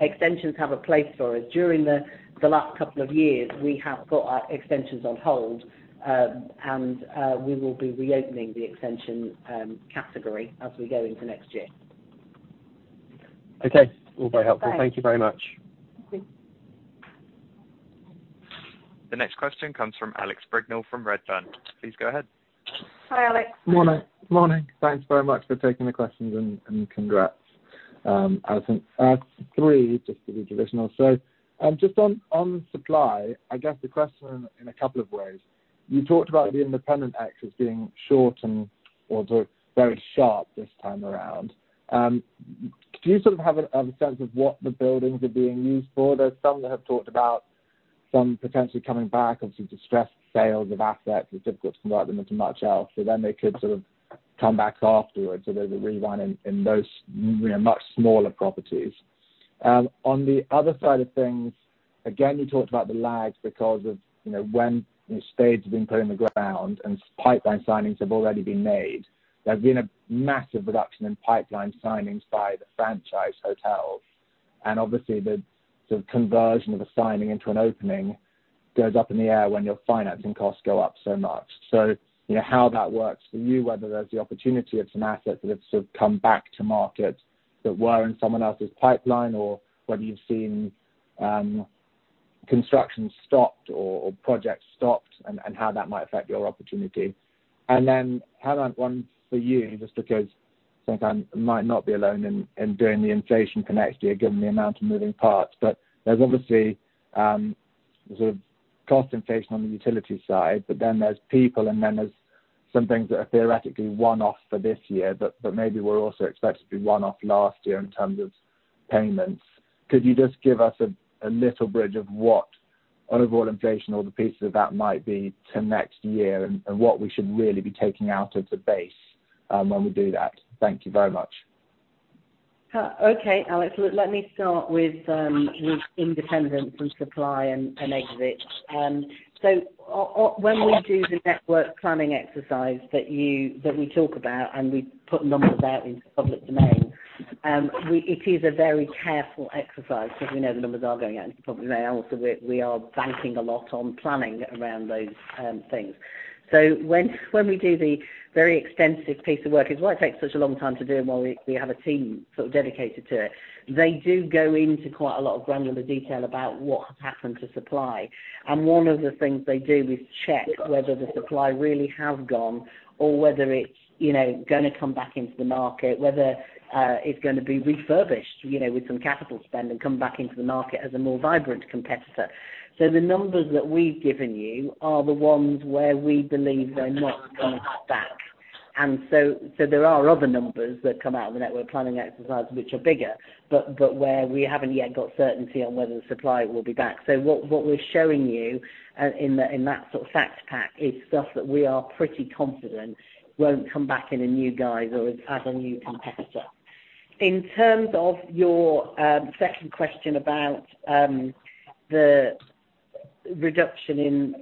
Extensions have a place for us. During the last couple of years, we have got our extensions on hold, and we will be reopening the extension category as we go into next year. Okay. All very helpful. Thank you very much. Thank you. The next question comes from Alex Brignall from Redburn. Please go ahead. Hi, Alex. Morning. Thanks very much for taking the questions and congrats, Alison. I have three just to be traditional. Just on supply, I guess the question in a couple of ways. You talked about the independent assets being short and/or very sharp this time around. Do you sort of have a sense of what the buildings are being used for? There's some that have talked about some potentially coming back of some distressed sales of assets. It's difficult to convert them into much else. Then they could sort of come back afterwards. There's a rebound in those, you know, much smaller properties. On the other side of things, again, you talked about the lags because of, you know, when the spades have been put in the ground and pipeline signings have already been made. There's been a massive reduction in pipeline signings by the franchise hotels, and obviously the conversion of a signing into an opening goes up in the air when your financing costs go up so much. You know, how that works for you, whether there's the opportunity of some assets that have sort of come back to market that were in someone else's pipeline or whether you've seen construction stopped or projects stopped and how that might affect your opportunity. Then Hemant, one for you, just because sometimes might not be alone in doing the inflation for next year, given the amount of moving parts. There's obviously sort of cost inflation on the utility side, but then there's people and then there's some things that are theoretically one-off for this year but maybe were also expected to be one-off last year in terms of payments. Could you just give us a little bridge of what overall inflation or the pieces of that might be to next year and what we should really be taking out of the base when we do that? Thank you very much. Okay, Alex. Let me start with independent and supply and exits. When we do the network planning exercise that we talk about and we put numbers out into public domain, it is a very careful exercise because we know the numbers are going out into the public domain. Also we are banking a lot on planning around those things. When we do the very extensive piece of work, it's why it takes such a long time to do and why we have a team sort of dedicated to it. They do go into quite a lot of granular detail about what has happened to supply. One of the things they do is check whether the supply really has gone or whether it's, you know, gonna come back into the market, whether it's gonna be refurbished, you know, with some capital spend, and come back into the market as a more vibrant competitor. The numbers that we've given you are the ones where we believe they're not coming back. There are other numbers that come out of the network planning exercise which are bigger, but where we haven't yet got certainty on whether the supply will be back. What we're showing you in that sort of fact pack is stuff that we are pretty confident won't come back in a new guise or as a new competitor. In terms of your second question about the reduction in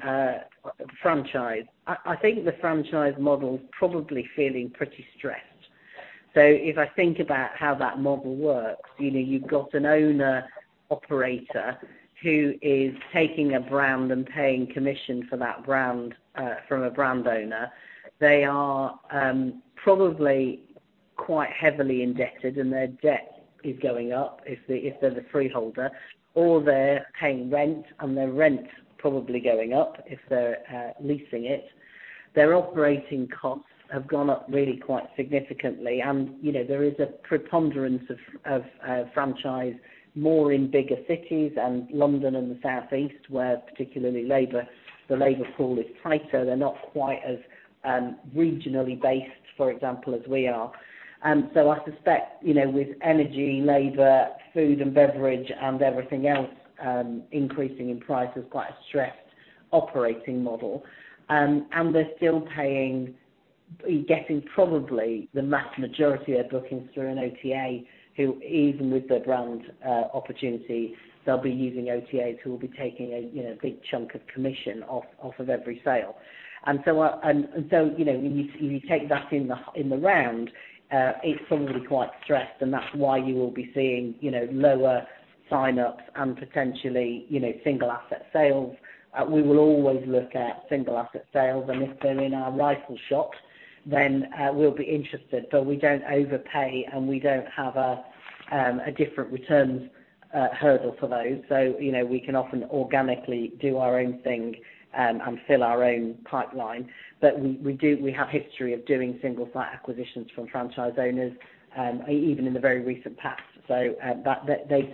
franchise, I think the franchise model's probably feeling pretty stressed. If I think about how that model works, you know, you've got an owner/operator who is taking a brand and paying commission for that brand from a brand owner. They are probably quite heavily indebted, and their debt is going up if they're the freeholder, or they're paying rent and their rent probably going up if they're leasing it. Their operating costs have gone up really quite significantly. You know, there is a preponderance of franchise more in bigger cities and London and the South East, where particularly labor the labor pool is tighter. They're not quite as regionally based, for example, as we are. I suspect, you know, with energy, labor, food and beverage and everything else, increasing in price is quite a stressed operating model. They're still getting probably the vast majority of bookings through an OTA, who even with the brand opportunity, they'll be using OTAs, who will be taking a, you know, big chunk of commission off of every sale. And so, you know, when you take that in the round, it's probably quite stressed, and that's why you will be seeing, you know, lower sign-ups and potentially, you know, single asset sales. We will always look at single asset sales, and if they're in our rifle shot, then, we'll be interested. But we don't overpay, and we don't have a different returns hurdle for those. You know, we can often organically do our own thing and fill our own pipeline. We have history of doing single site acquisitions from franchise owners, even in the very recent past. They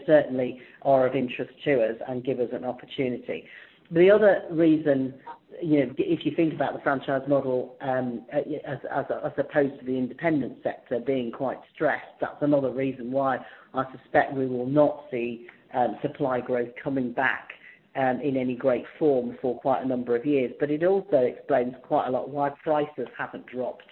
certainly are of interest to us and give us an opportunity. The other reason, you know, if you think about the franchise model, as opposed to the independent sector being quite stressed, that's another reason why I suspect we will not see supply growth coming back in any great form for quite a number of years. It also explains quite a lot why prices haven't dropped.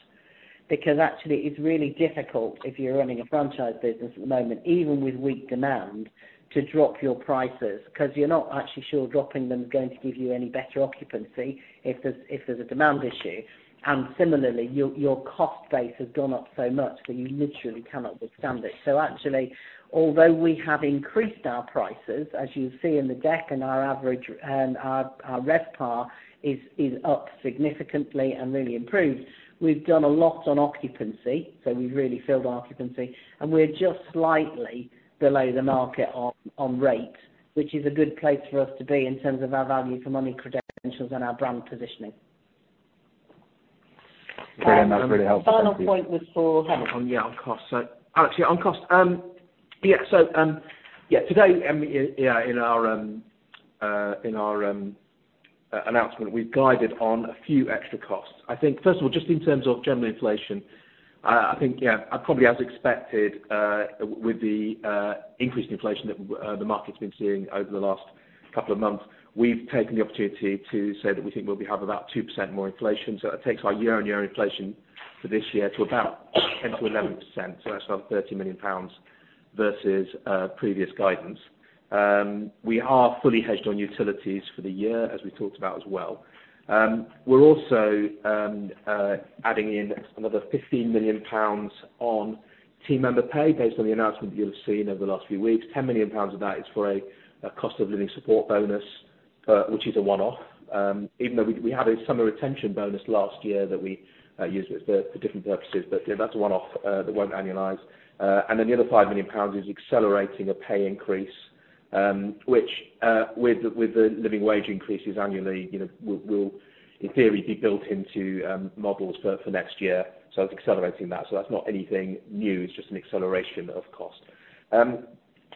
Because actually it's really difficult if you're running a franchise business at the moment, even with weak demand, to drop your prices, because you're not actually sure dropping them is going to give you any better occupancy if there's a demand issue. Similarly, your cost base has gone up so much that you literally cannot withstand it. Actually, although we have increased our prices, as you see in the deck and our average and our RevPAR is up significantly and really improved, we've done a lot on occupancy, so we've really filled occupancy. We're just slightly below the market on rate, which is a good place for us to be in terms of our value for money credentials and our brand positioning. Okay, that's really helpful. Thank you. Final point was for Hemant. On costs. Actually on costs, today in our announcement, we've guided on a few extra costs. I think first of all, just in terms of general inflation, I think probably as expected, with the increased inflation that the market's been seeing over the last couple of months, we've taken the opportunity to say that we think we'll have about 2% more inflation. That takes our year-on-year inflation for this year to about 10%-11%. That's another 30 million pounds versus previous guidance. We are fully hedged on utilities for the year, as we talked about as well. We're also adding in another 15 million pounds on team member pay based on the announcement you'll have seen over the last few weeks. 10 million pounds of that is for a cost of living support bonus, which is a one-off. Even though we had a summer retention bonus last year that we used it for different purposes. You know, that's a one-off that won't annualize. And then the other 5 million pounds is accelerating a pay increase, which with the living wage increases annually, you know, will in theory be built into models for next year. It's accelerating that. That's not anything new. It's just an acceleration of cost.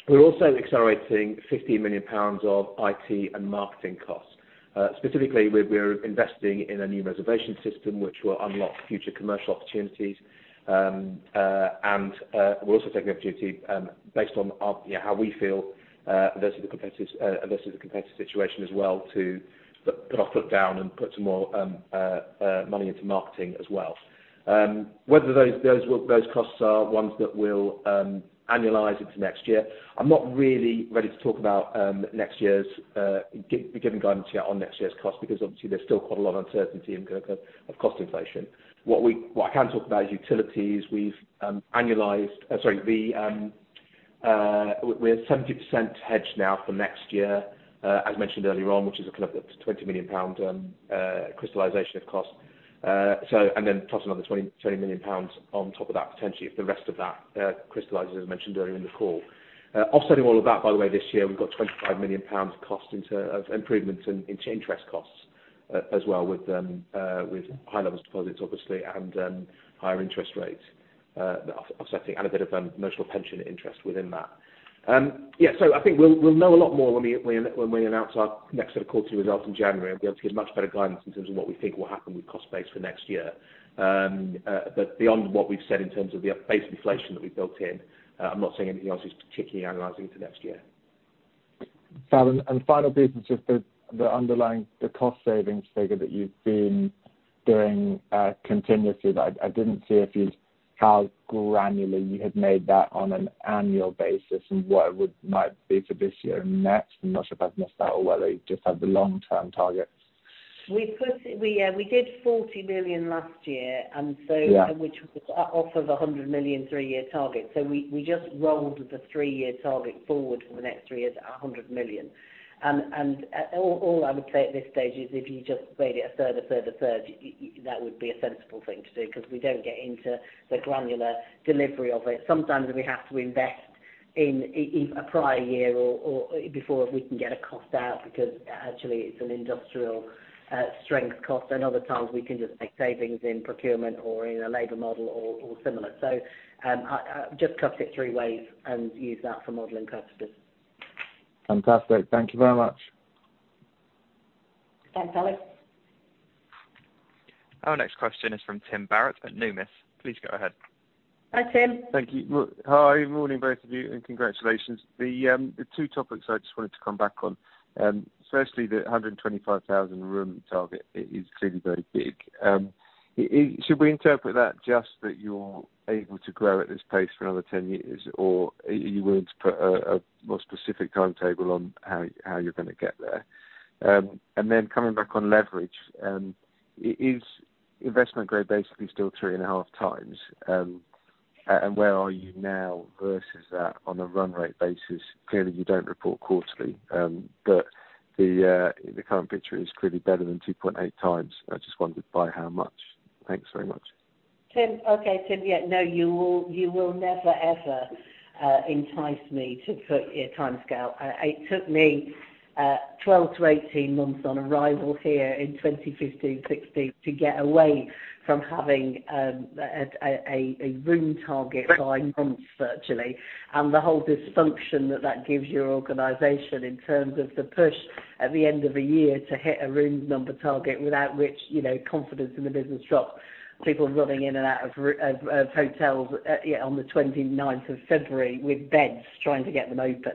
We're also accelerating 15 million pounds of IT and marketing costs. Specifically, we're investing in a new reservation system which will unlock future commercial opportunities. We're also taking the opportunity, based on you know, how we feel versus the competitors versus the competitor situation as well to put our foot down and put some more money into marketing as well. Whether those costs are ones that we'll annualize into next year, I'm not really ready to talk about next year's giving guidance yet on next year's cost because obviously there's still quite a lot of uncertainty in cost inflation. What I can talk about is utilities. We're 70% hedged now for next year, as mentioned earlier on, which is a collective 20 million pound crystallization of cost. Then plus another 20 million pounds on top of that potentially if the rest of that crystallizes as mentioned earlier in the call. Offsetting all of that, by the way, this year we've got 25 million pounds cost in terms of improvements in interest costs, as well with high levels of deposits obviously and higher interest rates, offsetting and a bit of notional pension interest within that. I think we'll know a lot more when we announce our next set of quarterly results in January. We'll be able to give much better guidance in terms of what we think will happen with cost base for next year. Beyond what we've said in terms of the base inflation that we've built in, I'm not saying anything else is particularly applying to next year. And final piece is just the underlying cost savings figure that you've been doing continuously. I didn't see how granular you had made that on an annual basis and what it might be for this year and next. I'm not sure if I've missed that or whether you just have the long-term targets. We did 40 million last year, and so which was off of a 100 million three-year target. We just rolled the three-year target forward for the next three years, 100 million. I would say at this stage is if you just made it a third, a third, a third, that would be a sensible thing to do, 'because we don't get into the granular delivery of it. Sometimes we have to invest in a prior year or before we can get a cost out because actually it's an industrial strength cost. Other times we can just make savings in procurement or in a labor model or similar. I just cut it three ways and use that for modeling purposes. Fantastic. Thank you very much. Thanks, Alex. Our next question is from Tim Barrett at Numis. Please go ahead. Hi, Tim. Thank you. Well, hi. Morning both of you, and congratulations. The two topics I just wanted to come back on, firstly, the 125,000 room target is clearly very big. Should we interpret that just that you're able to grow at this pace for another 10 years, or are you willing to put a more specific timetable on how you're gonna get there? Coming back on leverage, is investment grade basically still 3.5x? And where are you now versus that on a run rate basis? Clearly, you don't report quarterly, but the current picture is clearly better than 2.8x. I just wondered by how much. Thanks very much. Tim. Okay, Tim. Yeah, no, you will never, ever entice me to put a timescale. It took me 12-18 months on arrival here in 2015, 2016 to get away from having a room target by month virtually, and the whole dysfunction that gives your organization in terms of the push at the end of a year to hit a room number target without which, you know, confidence in the business drops, people running in and out of hotels, yeah, on the 29th of February with beds trying to get them open.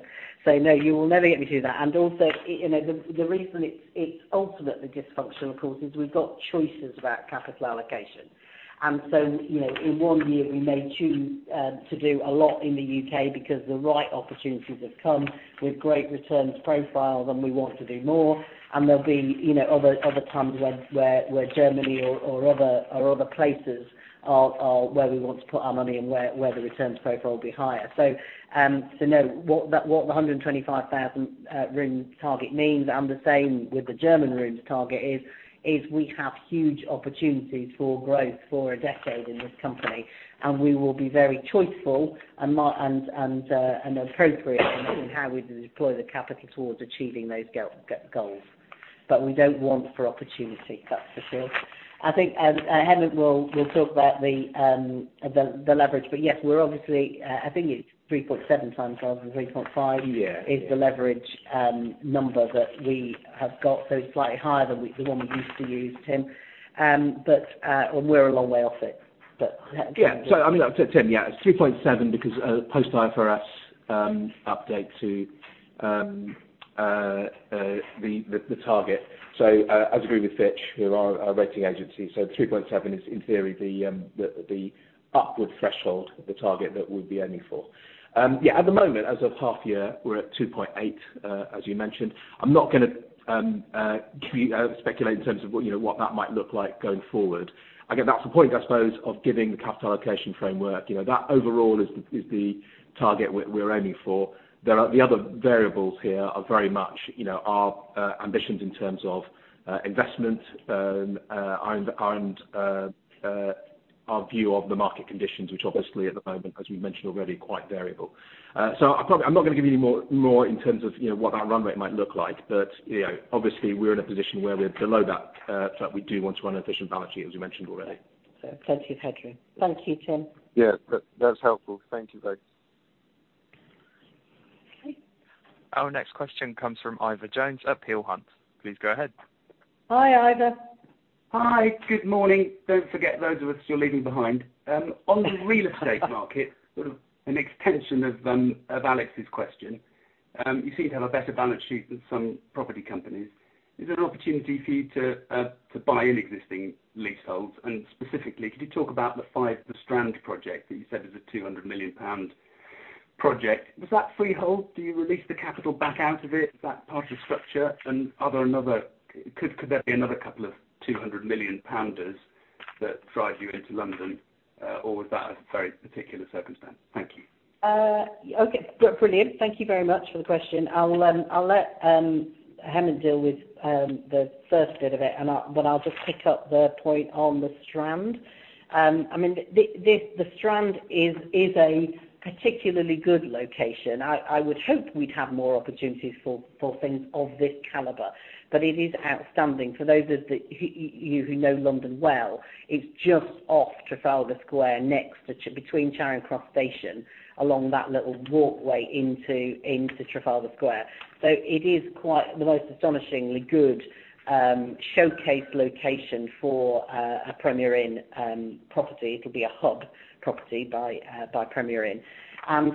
No, you will never get me to do that. Also, you know, the reason it's ultimately dysfunctional, of course, is we've got choices about capital allocation. You know, in one year we may choose to do a lot in the U.K. because the right opportunities have come with great returns profiles and we want to do more, and there'll be, you know, other times where Germany or other places are where we want to put our money and where the returns profile will be higher. No. What the 125,000 room target means, and the same with the German rooms target, is we have huge opportunities for growth for a decade in this company, and we will be very choiceful and appropriate in how we deploy the capital towards achieving those goals. We don't want for opportunity, that's for sure. I think, Hemant will talk about the leverage. Yes, we're obviously, I think it's 3.7x rather than 3.5x is the leverage number that we have got. Slightly higher than what we used to use, Tim. We're a long way off it. Let Hemant- Yeah. I mean, Tim, yeah, it's 3.7x because post IFRS update to the target. As agreed with Fitch, who are our rating agency, 3.7x is in theory the upward threshold, the target that we'd be aiming for. Yeah, at the moment, as of half year, we're at 2.8x, as you mentioned. I'm not gonna speculate in terms of what, you know, what that might look like going forward. Again, that's the point, I suppose, of giving the capital allocation framework. You know, that overall is the target we're aiming for. There are the other variables here are very much, you know, our ambitions in terms of investment and our view of the market conditions, which obviously at the moment, as we've mentioned, already quite variable. I'm not gonna give you more in terms of, you know, what that run rate might look like. You know, obviously we're in a position where we're below that, so we do want to run efficient balance sheet, as we mentioned already. Plenty of headroom. Thank you, Tim. Yeah. That's helpful. Thank you both. Our next question comes from Ivor Jones at Peel Hunt. Please go ahead. Hi, Ivor. Hi. Good morning. Don't forget those of us you're leaving behind. On the real estate market, sort of an extension of of Alex's question, you seem to have a better balance sheet than some property companies. Is there an opportunity for you to to buy an existing leasehold? Specifically, could you talk about the 5 The Strand project that you said is a 200 million pound project. Was that freehold? Do you release the capital back out of it? Is that part of structure and are there another? Could there be another couple of 200 million pounders that drove you into London, or was that a very particular circumstance? Thank you. Okay. Brilliant. Thank you very much for the question. I'll let Hemant deal with the first bit of it, but I'll just pick up the point on The Strand. I mean, The Strand is a particularly good location. I would hope we'd have more opportunities for things of this caliber, but it is outstanding. For those of you who know London well, it's just off Trafalgar Square, between Charing Cross station, along that little walkway into Trafalgar Square. It is quite the most astonishingly good showcase location for a Premier Inn property. It'll be a hub property by Premier Inn.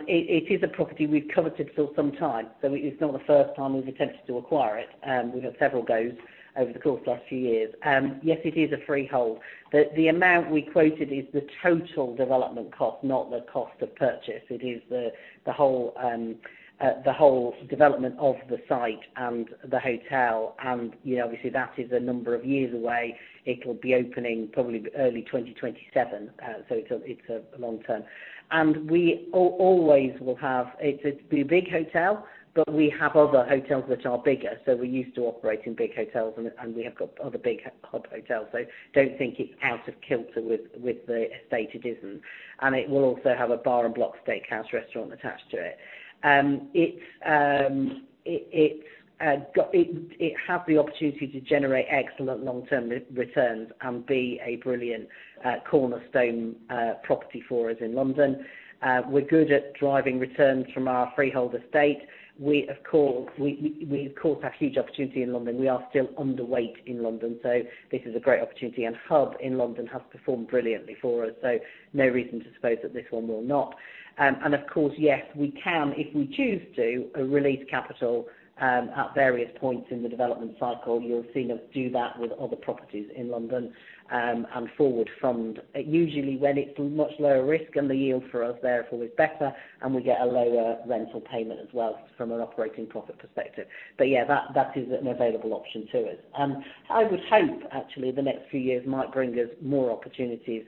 It is a property we've coveted for some time. It is not the first time we've attempted to acquire it. We've had several goes over the course of the last few years. Yes, it is a freehold. The amount we quoted is the total development cost, not the cost of purchase. It is the whole development of the site and the hotel. You know, obviously, that is a number of years away. It'll be opening probably early 2027. It's a long term. We always will have. It's a big hotel, but we have other hotels which are bigger, so we're used to operating big hotels and we have got other big hub hotels. Don't think it's out of kilter with the estate, it isn't. It will also have a Bar + Block Steakhouse restaurant attached to it. It has the opportunity to generate excellent long-term returns and be a brilliant cornerstone property for us in London. We're good at driving returns from our freehold estate. We of course have huge opportunity in London. We are still underweight in London, so this is a great opportunity. Hub in London has performed brilliantly for us, so no reason to suppose that this one will not. Of course, yes, we can, if we choose to, release capital at various points in the development cycle. You'll have seen us do that with other properties in London, and forward from. Usually when it's much lower risk and the yield for us therefore is better and we get a lower rental payment as well from an operating profit perspective. Yeah, that is an available option to us. I would hope actually the next few years might bring us more opportunities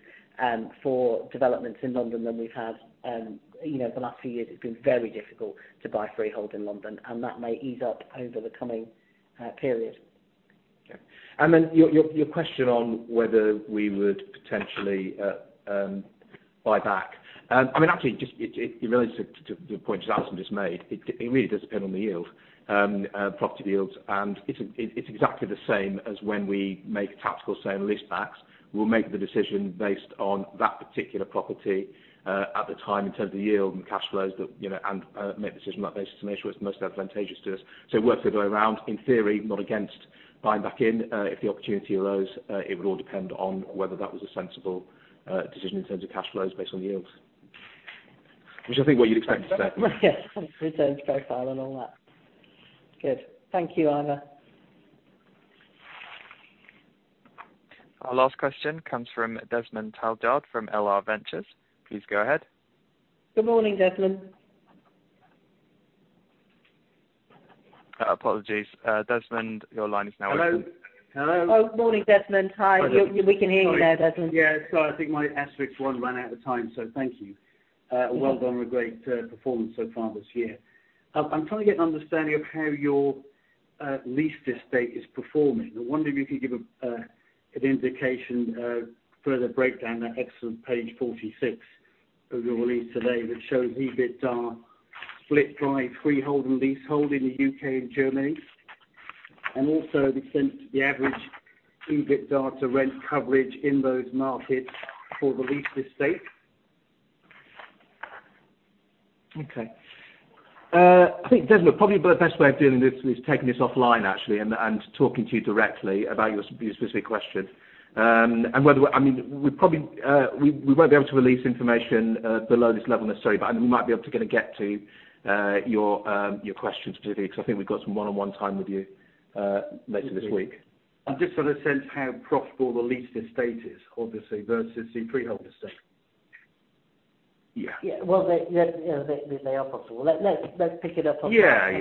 for developments in London than we've had. You know, the last few years, it's been very difficult to buy freehold in London, and that may ease up over the coming period. Okay. Your question on whether we would potentially buy back. I mean, actually, just in relation to the point that Alison just made, it really does depend on the yield, property yields. It's exactly the same as when we make tactical sale and leasebacks. We'll make the decision based on that particular property at the time in terms of yield and cash flows that you know and make the decision on that basis to make sure it's most advantageous to us. It works the other way around. In theory, not against buying back in if the opportunity allows, it would all depend on whether that was a sensible decision in terms of cash flows based on yields. Which I think what you'd expect us to say. Yes. Returns profile and all that. Good. Thank you, Ivor. Our last question comes from Desmond Taljaard from L+R Hotels. Please go ahead. Good morning, Desmond. Apologies. Desmond, your line is now open. Hello? Hello? Oh, morning, Desmond. Hi. We can hear you now, Desmond. Yeah. Sorry. I think my asterisk one ran out of time, so thank you. Well done. A great performance so far this year. I'm trying to get an understanding of how your lease estate is performing. I wonder if you could give an indication further breakdown that excellent page 46 of your release today that shows EBITDA split by freehold and leasehold in the U.K. and Germany. Also the extent the average EBITDA to rent coverage in those markets for the lease estate. Okay. I think, Desmond, probably the best way of doing this is taking this offline, actually, and talking to you directly about your specific question. I mean, we probably we won't be able to release information below this level, necessarily, but we might be able to get to your question specifically, because I think we've got some one-on-one time with you later this week. Just to get a sense how profitable the lease estate is, obviously, versus the freehold estate. Yeah. Yeah. Well, they are possible. Let's pick it up on. I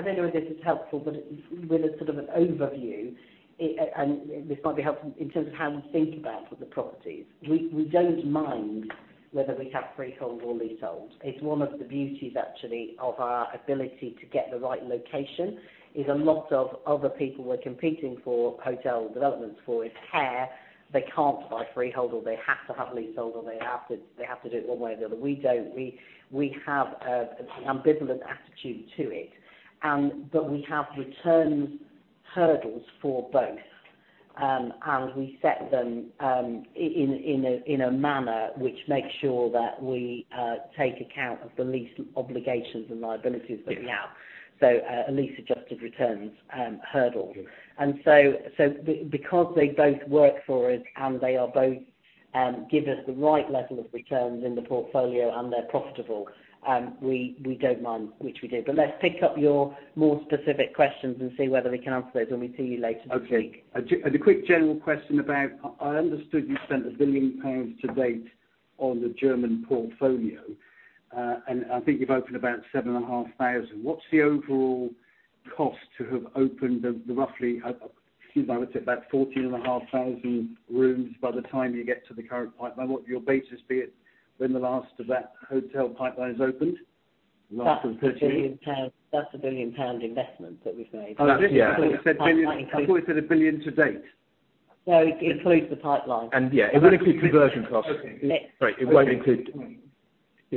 don't know whether this is helpful, but with a sort of an overview, and this might be helpful in terms of how we think about the properties. We don't mind whether we have freehold or leasehold. It's one of the beauties actually of our ability to get the right location is a lot of other people we're competing for hotel development sites they can't buy freehold or they have to have leasehold or they have to do it one way or the other. We don't. We have an ambivalent attitude to it, but we have return hurdles for both. We set them in a manner which makes sure that we take account of the lease obligations and liabilities that we have. A lease-adjusted returns hurdle. Because they both work for us and they both give us the right level of returns in the portfolio and they're profitable, we don't mind which we do. Let's pick up your more specific questions and see whether we can answer those when we see you later this week. Okay. A quick general question about, I understood you spent 1 billion pounds to date on the German portfolio, and I think you've opened about 7,500. What's the overall cost to have opened the roughly, excuse me, I would say about 14,500 rooms by the time you get to the current pipeline? What will your basis be when the last of that hotel pipeline is opened? That's a 1 billion pound investment that we've made. Oh, that's it. Yeah. I thought you said 1 billion to date. No, it includes the pipeline. Yeah, it won't include conversion costs.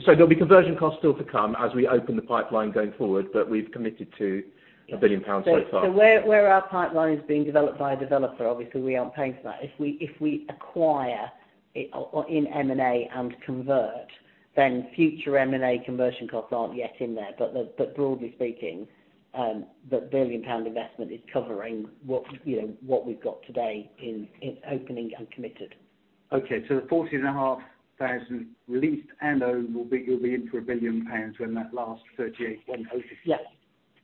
There'll be conversion costs still to come as we open the pipeline going forward, but we've committed to 1 billion pounds so far. Where our pipeline is being developed by a developer, obviously we aren't paying for that. If we acquire it or in M&A and convert, then future M&A conversion costs aren't yet in there. Broadly speaking, that 1 billion pound investment is covering what, you know, what we've got today in opening and committed. Okay. The 14,500 leased and owned will be, you'll be in for 1 billion pounds when that last 38- Yes.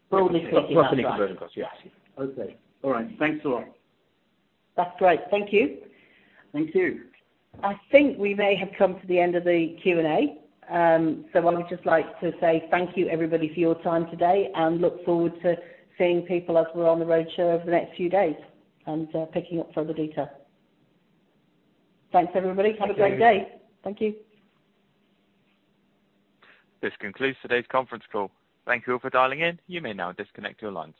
Broadly speaking. Plus any conversion costs, yes. Okay. All right. Thanks a lot. That's great. Thank you. Thank you. I think we may have come to the end of the Q&A. I would just like to say thank you everybody for your time today and look forward to seeing people as we're on the roadshow over the next few days and, picking up further detail. Thanks, everybody. Have a great day. Thank you. This concludes today's conference call. Thank you for dialing in. You may now disconnect your lines.